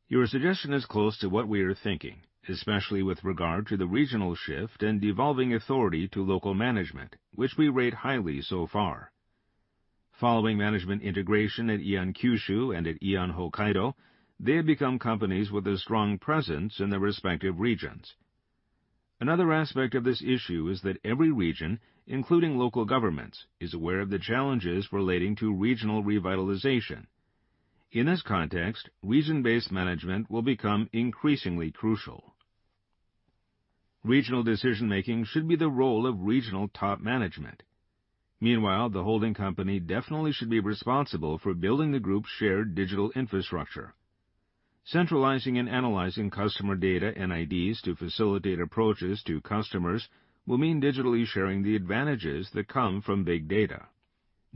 Your suggestion is close to what we are thinking, especially with regard to the regional shift and devolving authority to local management, which we rate highly so far. Following management integration at AEON Kyushu and at Aeon Hokkaido, they have become companies with a strong presence in their respective regions. Another aspect of this issue is that every region, including local governments, is aware of the challenges relating to regional revitalization. In this context, region-based management will become increasingly crucial. Regional decision-making should be the role of regional top management. Meanwhile, the holding company definitely should be responsible for building the group's shared digital infrastructure. Centralizing and analyzing customer data and IDs to facilitate approaches to customers will mean digitally sharing the advantages that come from big data.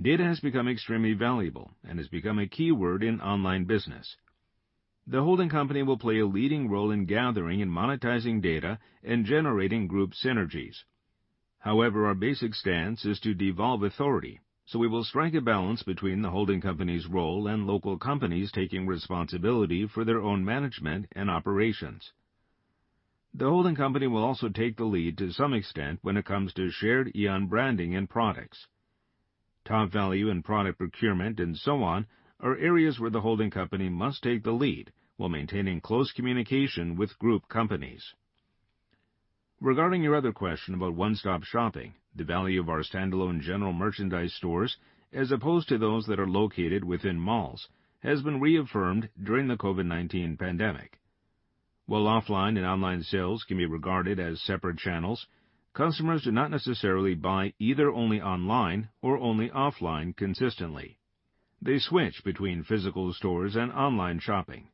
Data has become extremely valuable and has become a keyword in online business. The holding company will play a leading role in gathering and monetizing data and generating group synergies. Our basic stance is to devolve authority. We will strike a balance between the holding company's role and local companies taking responsibility for their own management and operations. The holding company will also take the lead to some extent when it comes to shared Aeon branding and products. Topvalu and product procurement, and so on, are areas where the holding company must take the lead while maintaining close communication with group companies. Regarding your other question about one-stop shopping, the value of our standalone general merchandise stores, as opposed to those that are located within malls, has been reaffirmed during the COVID-19 pandemic. While offline and online sales can be regarded as separate channels, customers do not necessarily buy either only online or only offline consistently. They switch between physical stores and online shopping.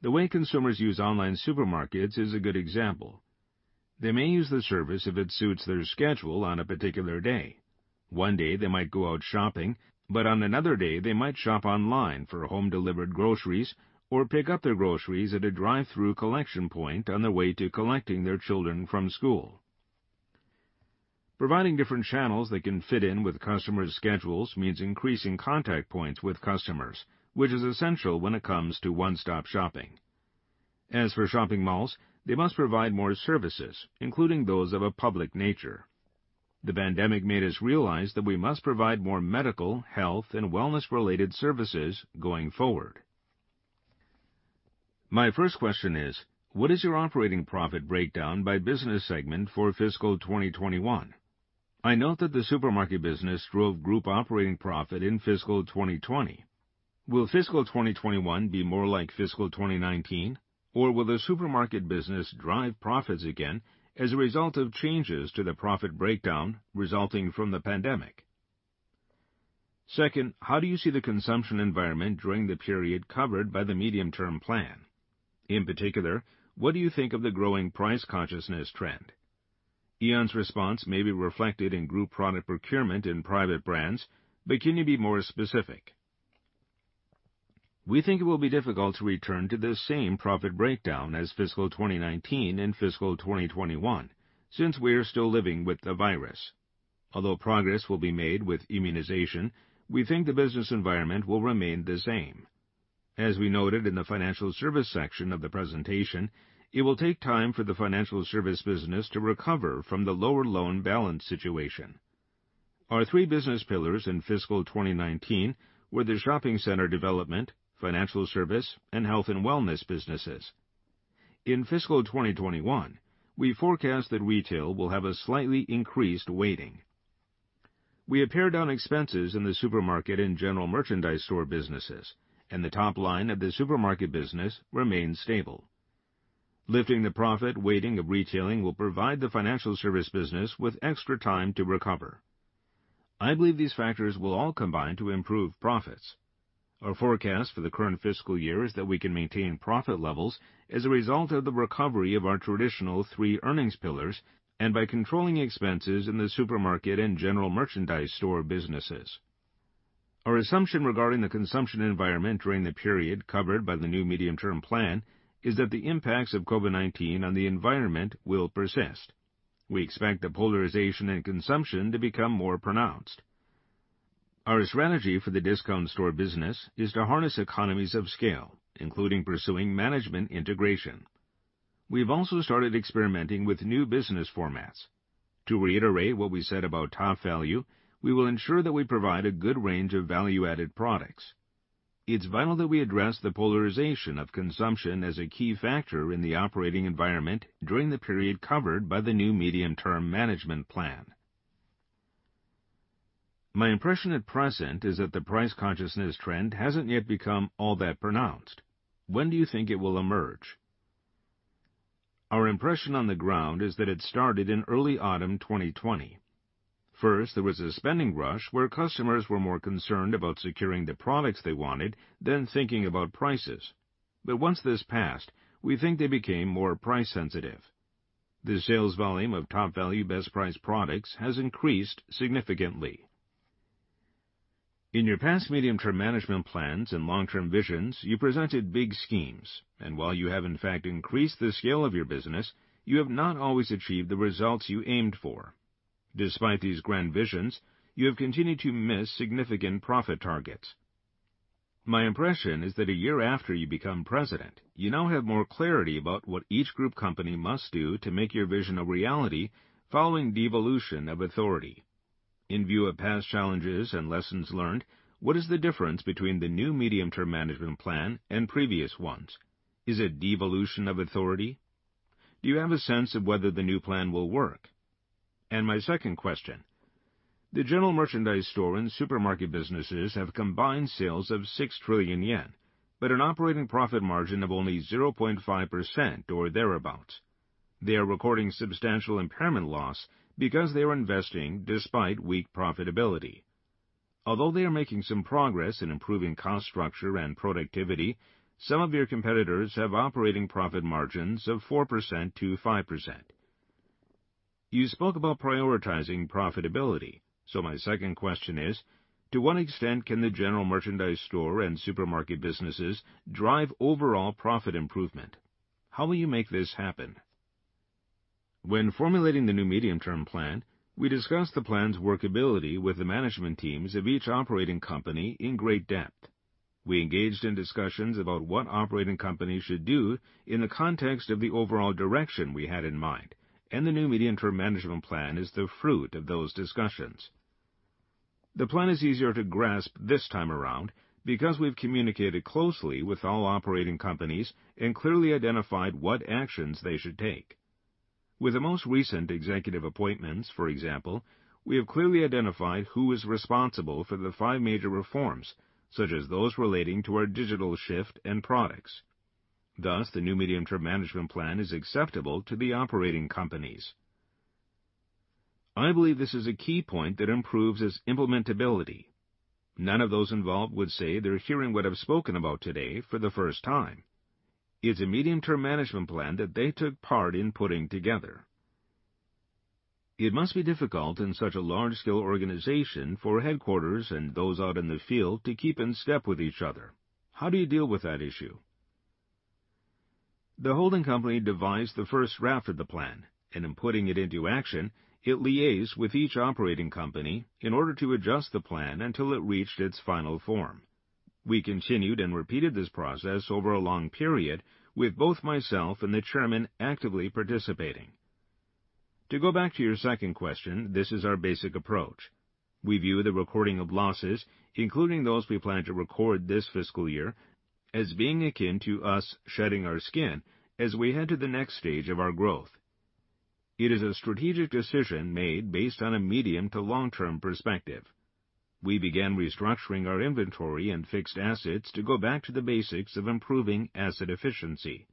The way consumers use online supermarkets is a good example. They may use the service if it suits their schedule on a particular day. One day they might go out shopping, but on another day, they might shop online for home-delivered groceries or pick up their groceries at a drive-through collection point on their way to collecting their children from school. Providing different channels that can fit in with customers' schedules means increasing contact points with customers, which is essential when it comes to one-stop shopping. As for shopping malls, they must provide more services, including those of a public nature. The pandemic made us realize that we must provide more medical, health, and wellness-related services going forward. My first question is: What is your operating profit breakdown by business segment for fiscal 2021? I note that the supermarket business drove group operating profit in fiscal 2020. Will fiscal 2021 be more like fiscal 2019, or will the supermarket business drive profits again as a result of changes to the profit breakdown resulting from the pandemic? Second, how do you see the consumption environment during the period covered by the medium-term plan? In particular, what do you think of the growing price consciousness trend? Aeon's response may be reflected in group product procurement in private brands, but can you be more specific? We think it will be difficult to return to the same profit breakdown as fiscal 2019 in fiscal 2021, since we are still living with the virus. Although progress will be made with immunization, we think the business environment will remain the same. As we noted in the financial service section of the presentation, it will take time for the financial service business to recover from the lower loan balance situation. Our three business pillars in fiscal 2019 were the shopping center development, financial service, and health and wellness businesses. In fiscal 2021, we forecast that retail will have a slightly increased weighting. We have pared down expenses in the supermarket and general merchandise store businesses, and the top line of the supermarket business remains stable. Lifting the profit weighting of retailing will provide the financial service business with extra time to recover. I believe these factors will all combine to improve profits. Our forecast for the current fiscal year is that we can maintain profit levels as a result of the recovery of our traditional three earnings pillars and by controlling expenses in the supermarket and general merchandise store businesses. Our assumption regarding the consumption environment during the period covered by the new medium-term plan is that the impacts of COVID-19 on the environment will persist. We expect the polarization in consumption to become more pronounced. Our strategy for the discount store business is to harness economies of scale, including pursuing management integration. We've also started experimenting with new business formats. To reiterate what we said about Topvalu, we will ensure that we provide a good range of value-added products. It's vital that we address the polarization of consumption as a key factor in the operating environment during the period covered by the new medium-term management plan. My impression at present is that the price consciousness trend hasn't yet become all that pronounced. When do you think it will emerge? Our impression on the ground is that it started in early autumn 2020. First, there was a spending rush where customers were more concerned about securing the products they wanted than thinking about prices. Once this passed, we think they became more price sensitive. The sales volume of Topvalu Bestprice products has increased significantly. In your past medium-term management plans and long-term visions, you presented big schemes, and while you have in fact increased the scale of your business, you have not always achieved the results you aimed for. Despite these grand visions, you have continued to miss significant profit targets. My impression is that a year after you become President, you now have more clarity about what each group company must do to make your vision a reality following devolution of authority. In view of past challenges and lessons learned, what is the difference between the new medium-term management plan and previous ones? Is it devolution of authority? Do you have a sense of whether the new plan will work? My second question, the general merchandise store and supermarket businesses have combined sales of 6 trillion yen, but an operating profit margin of only 0.5% or thereabout. They are recording substantial impairment loss because they are investing despite weak profitability. Although they are making some progress in improving cost structure and productivity, some of your competitors have operating profit margins of 4%-5%. You spoke about prioritizing profitability. My second question is, to what extent can the general merchandise store and supermarket businesses drive overall profit improvement? How will you make this happen? When formulating the new medium-term plan, we discussed the plan's workability with the management teams of each operating company in great depth. We engaged in discussions about what operating companies should do in the context of the overall direction we had in mind, and the new medium-term management plan is the fruit of those discussions. The plan is easier to grasp this time around because we've communicated closely with all operating companies and clearly identified what actions they should take. With the most recent executive appointments, for example, we have clearly identified who is responsible for the five major reforms, such as those relating to our digital shift and products. Thus, the new medium-term management plan is acceptable to the operating companies. I believe this is a key point that improves its implementability. None of those involved would say they're hearing what I've spoken about today for the first time. It's a medium-term management plan that they took part in putting together. It must be difficult in such a large-scale organization for headquarters and those out in the field to keep in step with each other. How do you deal with that issue? The holding company devised the first draft of the plan, and in putting it into action, it liaised with each operating company in order to adjust the plan until it reached its final form. We continued and repeated this process over a long period with both myself and the chairman actively participating. To go back to your second question, this is our basic approach. We view the recording of losses, including those we plan to record this fiscal year, as being akin to us shedding our skin as we head to the next stage of our growth. It is a strategic decision made based on a medium to long-term perspective. We began restructuring our inventory and fixed assets to go back to the basics of improving asset efficiency.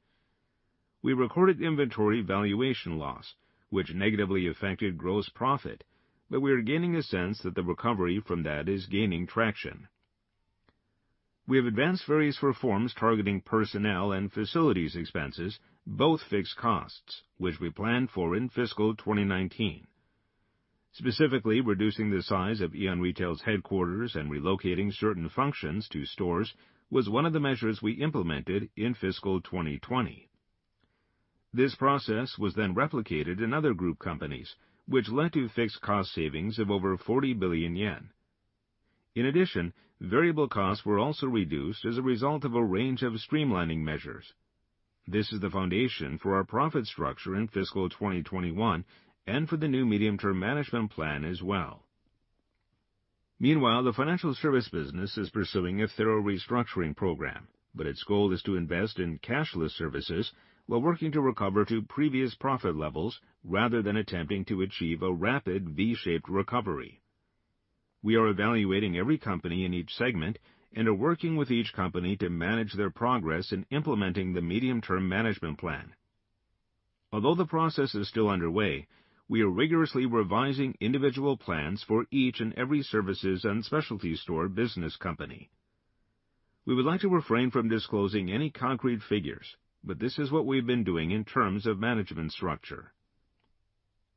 We recorded inventory valuation loss, which negatively affected gross profit, but we are gaining a sense that the recovery from that is gaining traction. We have advanced various reforms targeting personnel and facilities expenses, both fixed costs, which we planned for in fiscal 2019. Specifically, reducing the size of Aeon Retail's headquarters and relocating certain functions to stores was one of the measures we implemented in fiscal 2020. This process was then replicated in other group companies, which led to fixed cost savings of over 40 billion yen. In addition, variable costs were also reduced as a result of a range of streamlining measures. This is the foundation for our profit structure in fiscal 2021 and for the new medium-term management plan as well. Meanwhile, the financial service business is pursuing a thorough restructuring program, but its goal is to invest in cashless services while working to recover to previous profit levels rather than attempting to achieve a rapid V-shaped recovery. We are evaluating every company in each segment and are working with each company to manage their progress in implementing the medium-term management plan. Although the process is still underway, we are rigorously revising individual plans for each and every services and specialty store business company. We would like to refrain from disclosing any concrete figures, but this is what we've been doing in terms of management structure.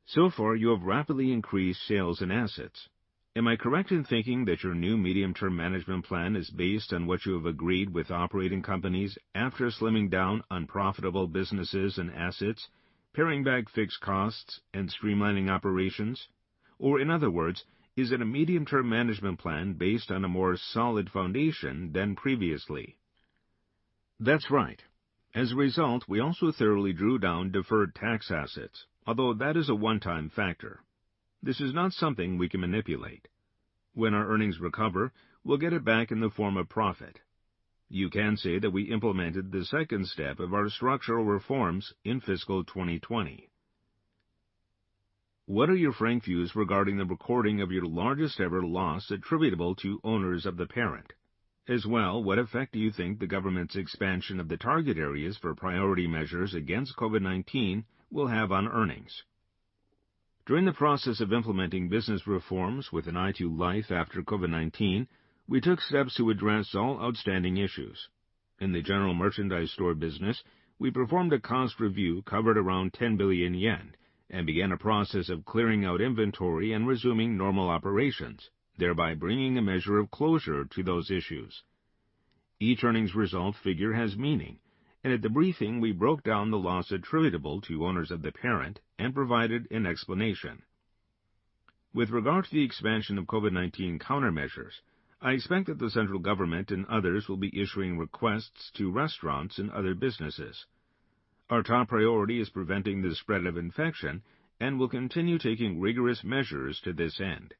So far, you have rapidly increased sales and assets. Am I correct in thinking that your new medium-term management plan is based on what you have agreed with operating companies after slimming down unprofitable businesses and assets, paring back fixed costs, and streamlining operations? In other words, is it a medium-term management plan based on a more solid foundation than previously? That's right. As a result, we also thoroughly drew down deferred tax assets, although that is a one-time factor. This is not something we can manipulate. When our earnings recover, we'll get it back in the form of profit. You can say that we implemented the second step of our structural reforms in fiscal 2020. What are your frank views regarding the recording of your largest-ever loss attributable to owners of the parent? As well, what effect do you think the government's expansion of the target areas for priority measures against COVID-19 will have on earnings? During the process of implementing business reforms with an eye to life after COVID-19, we took steps to address all outstanding issues. In the general merchandise store business, we performed a cost review covering around 10 billion yen and began a process of clearing out inventory and resuming normal operations, thereby bringing a measure of closure to those issues. Each earnings result figure has meaning, and at the briefing, we broke down the loss attributable to owners of the parent and provided an explanation. With regard to the expansion of COVID-19 countermeasures, I expect that the central government and others will be issuing requests to restaurants and other businesses. Our top priority is preventing the spread of infection, and we'll continue taking rigorous measures to this end.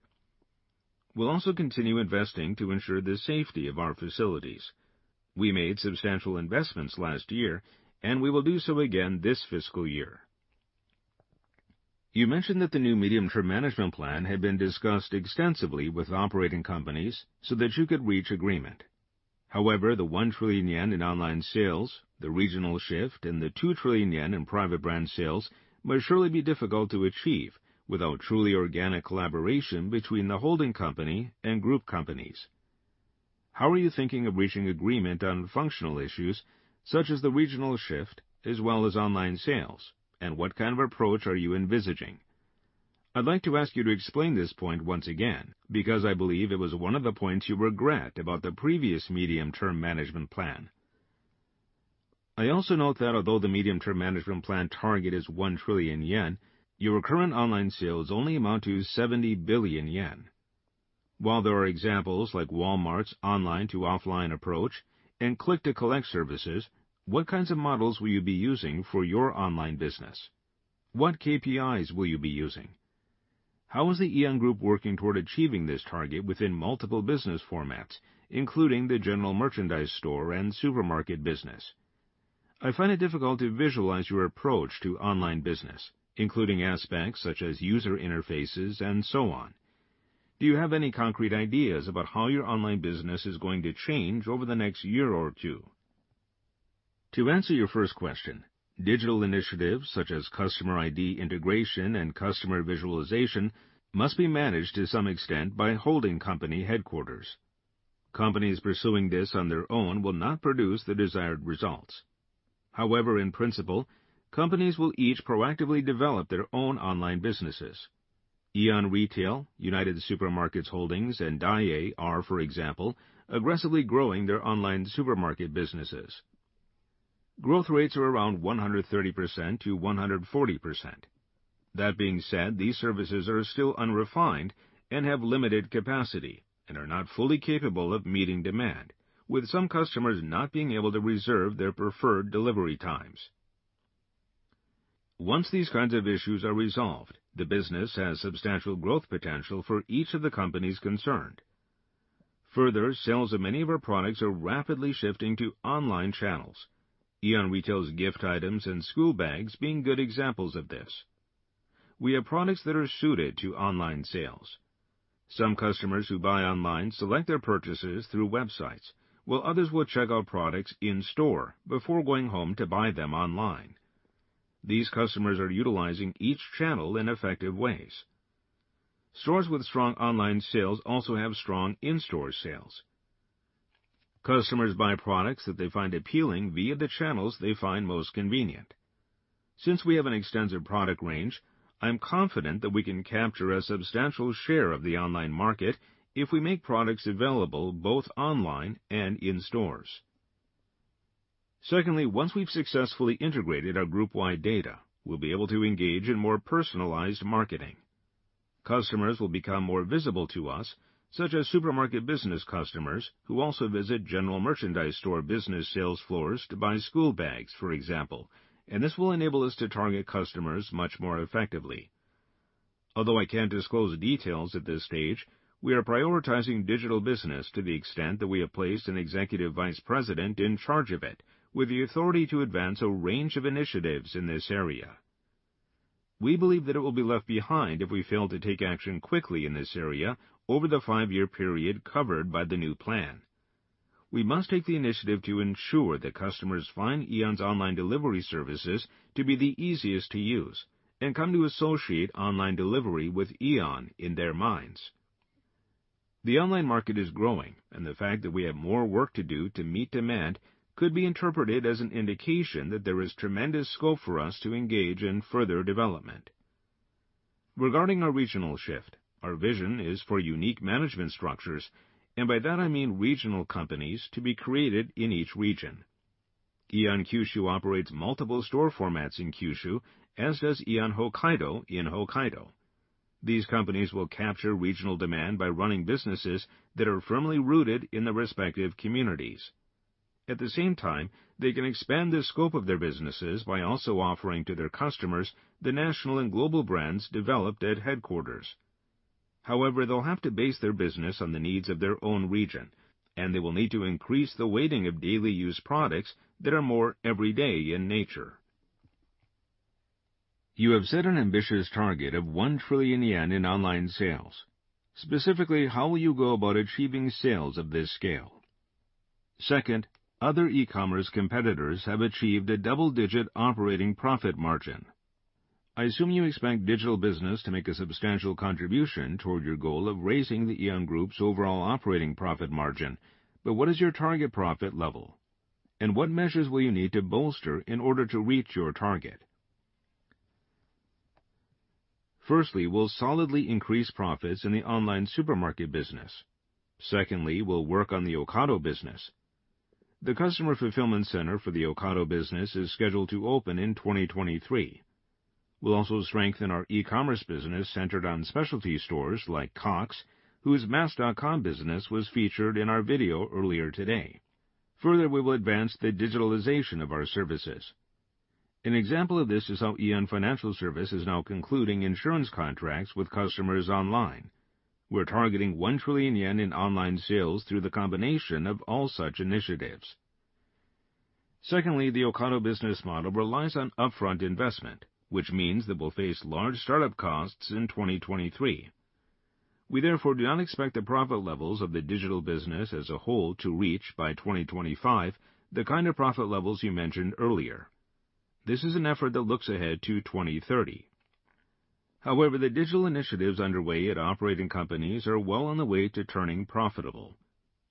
We'll also continue investing to ensure the safety of our facilities. We made substantial investments last year, and we will do so again this fiscal year. You mentioned that the new medium-term management plan had been discussed extensively with operating companies so that you could reach agreement. The 1 trillion yen in online sales, the regional shift, and the 2 trillion yen in private brand sales may surely be difficult to achieve without truly organic collaboration between the holding company and group companies. How are you thinking of reaching agreement on functional issues such as the regional shift as well as online sales, and what kind of approach are you envisaging? I'd like to ask you to explain this point once again, because I believe it was one of the points you regret about the previous medium-term management plan. I also note that although the medium-term management plan target is 1 trillion yen, your current online sales only amount to 70 billion yen. While there are examples like Walmart's online-to-offline approach and click-to-collect services, what kinds of models will you be using for your online business? What KPIs will you be using? How is the Aeon Group working toward achieving this target within multiple business formats, including the general merchandise store and supermarket business? I find it difficult to visualize your approach to online business, including aspects such as user interfaces and so on. Do you have any concrete ideas about how your online business is going to change over the next year or two? To answer your first question, digital initiatives such as customer ID integration and customer visualization must be managed to some extent by holding company headquarters. Companies pursuing this on their own will not produce the desired results. However, in principle, companies will each proactively develop their own online businesses. Aeon Retail, United Supermarket Holdings, and Daiei are, for example, aggressively growing their online supermarket businesses. Growth rates are around 130%-140%. That being said, these services are still unrefined and have limited capacity and are not fully capable of meeting demand, with some customers not being able to reserve their preferred delivery times. Once these kinds of issues are resolved, the business has substantial growth potential for each of the companies concerned. Further, sales of many of our products are rapidly shifting to online channels, Aeon Retail's gift items and school bags being good examples of this. We have products that are suited to online sales. Some customers who buy online select their purchases through websites, while others will check out products in-store before going home to buy them online. These customers are utilizing each channel in effective ways. Stores with strong online sales also have strong in-store sales. Customers buy products that they find appealing via the channels they find most convenient. Since we have an extensive product range, I'm confident that we can capture a substantial share of the online market if we make products available both online and in stores. Secondly, once we've successfully integrated our group-wide data, we'll be able to engage in more personalized marketing. Customers will become more visible to us, such as supermarket business customers who also visit general merchandise store business sales floors to buy school bags, for example, and this will enable us to target customers much more effectively. Although I can't disclose details at this stage, we are prioritizing digital business to the extent that we have placed an executive vice president in charge of it, with the authority to advance a range of initiatives in this area. We believe that it will be left behind if we fail to take action quickly in this area over the five-year period covered by the new plan. We must take the initiative to ensure that customers find Aeon's online delivery services to be the easiest to use and come to associate online delivery with Aeon in their minds. The online market is growing, and the fact that we have more work to do to meet demand could be interpreted as an indication that there is tremendous scope for us to engage in further development. Regarding our regional shift, our vision is for unique management structures, and by that I mean regional companies to be created in each region. AEON Kyushu operates multiple store formats in Kyushu, as does Aeon Hokkaido in Hokkaido. These companies will capture regional demand by running businesses that are firmly rooted in the respective communities. At the same time, they can expand the scope of their businesses by also offering to their customers the national and global brands developed at headquarters. They'll have to base their business on the needs of their own region, and they will need to increase the weighting of daily use products that are more everyday in nature. You have set an ambitious target of 1 trillion yen in online sales. Specifically, how will you go about achieving sales of this scale? Second, other e-commerce competitors have achieved a double-digit operating profit margin. I assume you expect digital business to make a substantial contribution toward your goal of raising the Aeon Group's overall operating profit margin, what is your target profit level? What measures will you need to bolster in order to reach your target? Firstly, we'll solidly increase profits in the online supermarket business. Secondly, we'll work on the Ocado business. The customer fulfillment center for the Ocado business is scheduled to open in 2023. We'll also strengthen our e-commerce business centered on specialty stores like Cox, whose Mask.com business was featured in our video earlier today. Further, we will advance the digitalization of our services. An example of this is how AEON Financial Service is now concluding insurance contracts with customers online. We're targeting 1 trillion yen in online sales through the combination of all such initiatives. Secondly, the Ocado business model relies on upfront investment, which means that we'll face large startup costs in 2023. We therefore do not expect the profit levels of the digital business as a whole to reach, by 2025, the kind of profit levels you mentioned earlier. This is an effort that looks ahead to 2030. However, the digital initiatives underway at operating companies are well on the way to turning profitable.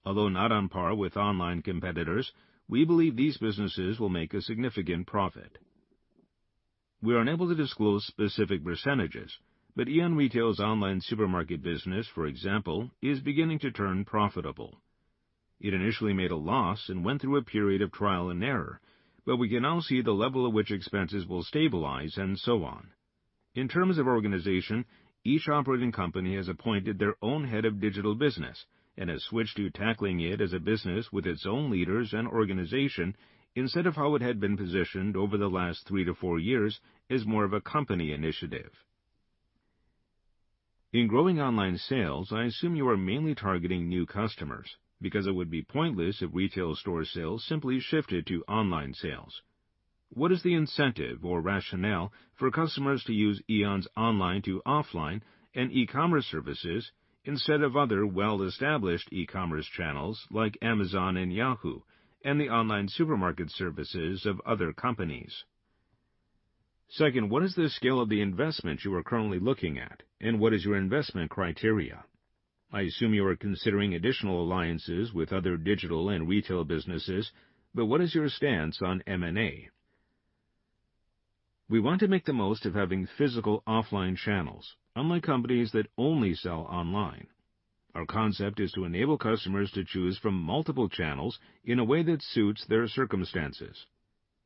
Although not on par with online competitors, we believe these businesses will make a significant profit. We are unable to disclose specific percentages, but Aeon Retail's online supermarket business, for example, is beginning to turn profitable. It initially made a loss and went through a period of trial and error. We can now see the level at which expenses will stabilize and so on. In terms of organization, each operating company has appointed their own head of digital business and has switched to tackling it as a business with its own leaders and organization instead of how it had been positioned over the last three to four years as more of a company initiative. In growing online sales, I assume you are mainly targeting new customers because it would be pointless if retail store sales simply shifted to online sales. What is the incentive or rationale for customers to use Aeon's online to offline and e-commerce services instead of other well-established e-commerce channels like Amazon and Yahoo and the online supermarket services of other companies? Second, what is the scale of the investment you are currently looking at, and what is your investment criteria? I assume you are considering additional alliances with other digital and retail businesses, but what is your stance on M&A? We want to make the most of having physical offline channels, unlike companies that only sell online. Our concept is to enable customers to choose from multiple channels in a way that suits their circumstances.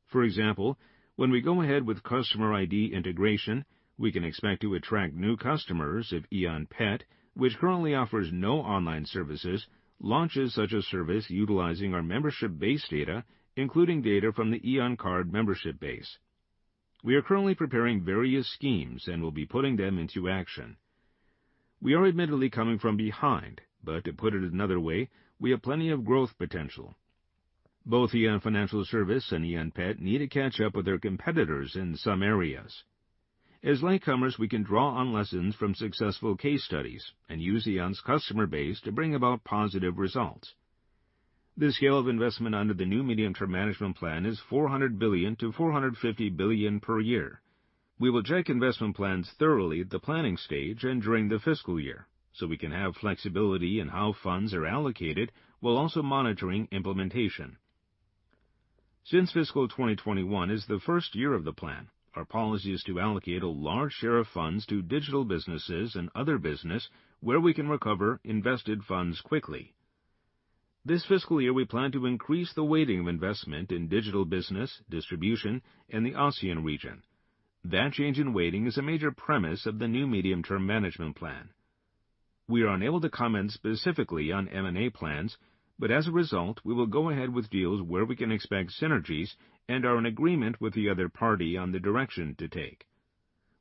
For example, when we go ahead with customer ID integration, we can expect to attract new customers if AEON PET, which currently offers no online services, launches such a service utilizing our membership base data, including data from the Aeon Card membership base. We are currently preparing various schemes and will be putting them into action. We are admittedly coming from behind, but to put it another way, we have plenty of growth potential. Both AEON Financial Service and AEON PET need to catch up with their competitors in some areas. As latecomers, we can draw on lessons from successful case studies and use Aeon's customer base to bring about positive results. The scale of investment under the new medium-term management plan is 400 billion JPY-450 billion JPY per year. We will check investment plans thoroughly at the planning stage and during the fiscal year, so we can have flexibility in how funds are allocated while also monitoring implementation. Since fiscal 2021 is the first year of the plan, our policy is to allocate a large share of funds to digital businesses and other business where we can recover invested funds quickly. This fiscal year, we plan to increase the weighting of investment in digital business, distribution, and the ASEAN region. That change in weighting is a major premise of the new medium-term management plan. We are unable to comment specifically on M&A plans, but as a result, we will go ahead with deals where we can expect synergies and are in agreement with the other party on the direction to take.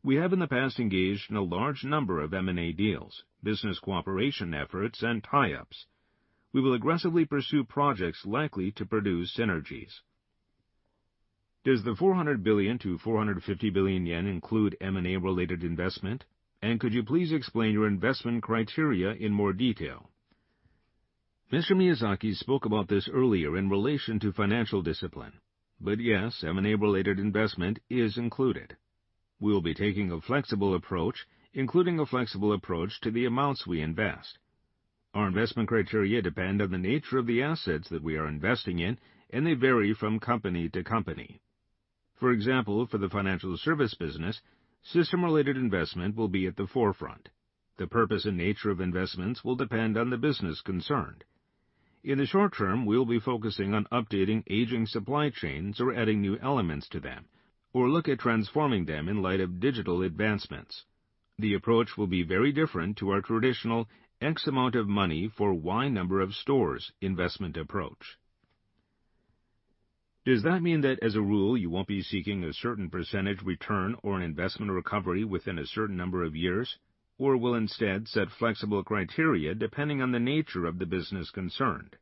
We have in the past engaged in a large number of M&A deals, business cooperation efforts, and tie-ups. We will aggressively pursue projects likely to produce synergies. Does the 400 billion-450 billion yen include M&A-related investment, and could you please explain your investment criteria in more detail? Mr. Miyazaki spoke about this earlier in relation to financial discipline. Yes, M&A-related investment is included. We will be taking a flexible approach, including a flexible approach to the amounts we invest. Our investment criteria depend on the nature of the assets that we are investing in, and they vary from company to company. For example, for the financial service business, system-related investment will be at the forefront. The purpose and nature of investments will depend on the business concerned. In the short term, we will be focusing on updating aging supply chains or adding new elements to them, or look at transforming them in light of digital advancements. The approach will be very different to our traditional X amount of money for Y number of stores investment approach. Does that mean that as a rule, you won't be seeking a certain percentage return or an investment recovery within a certain number of years, or will instead set flexible criteria depending on the nature of the business concerned?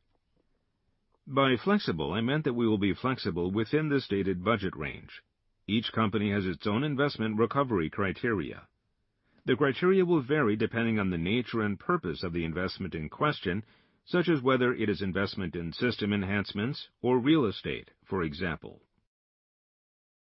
By flexible, I meant that we will be flexible within the stated budget range. Each company has its own investment recovery criteria. The criteria will vary depending on the nature and purpose of the investment in question, such as whether it is investment in system enhancements or real estate, for example.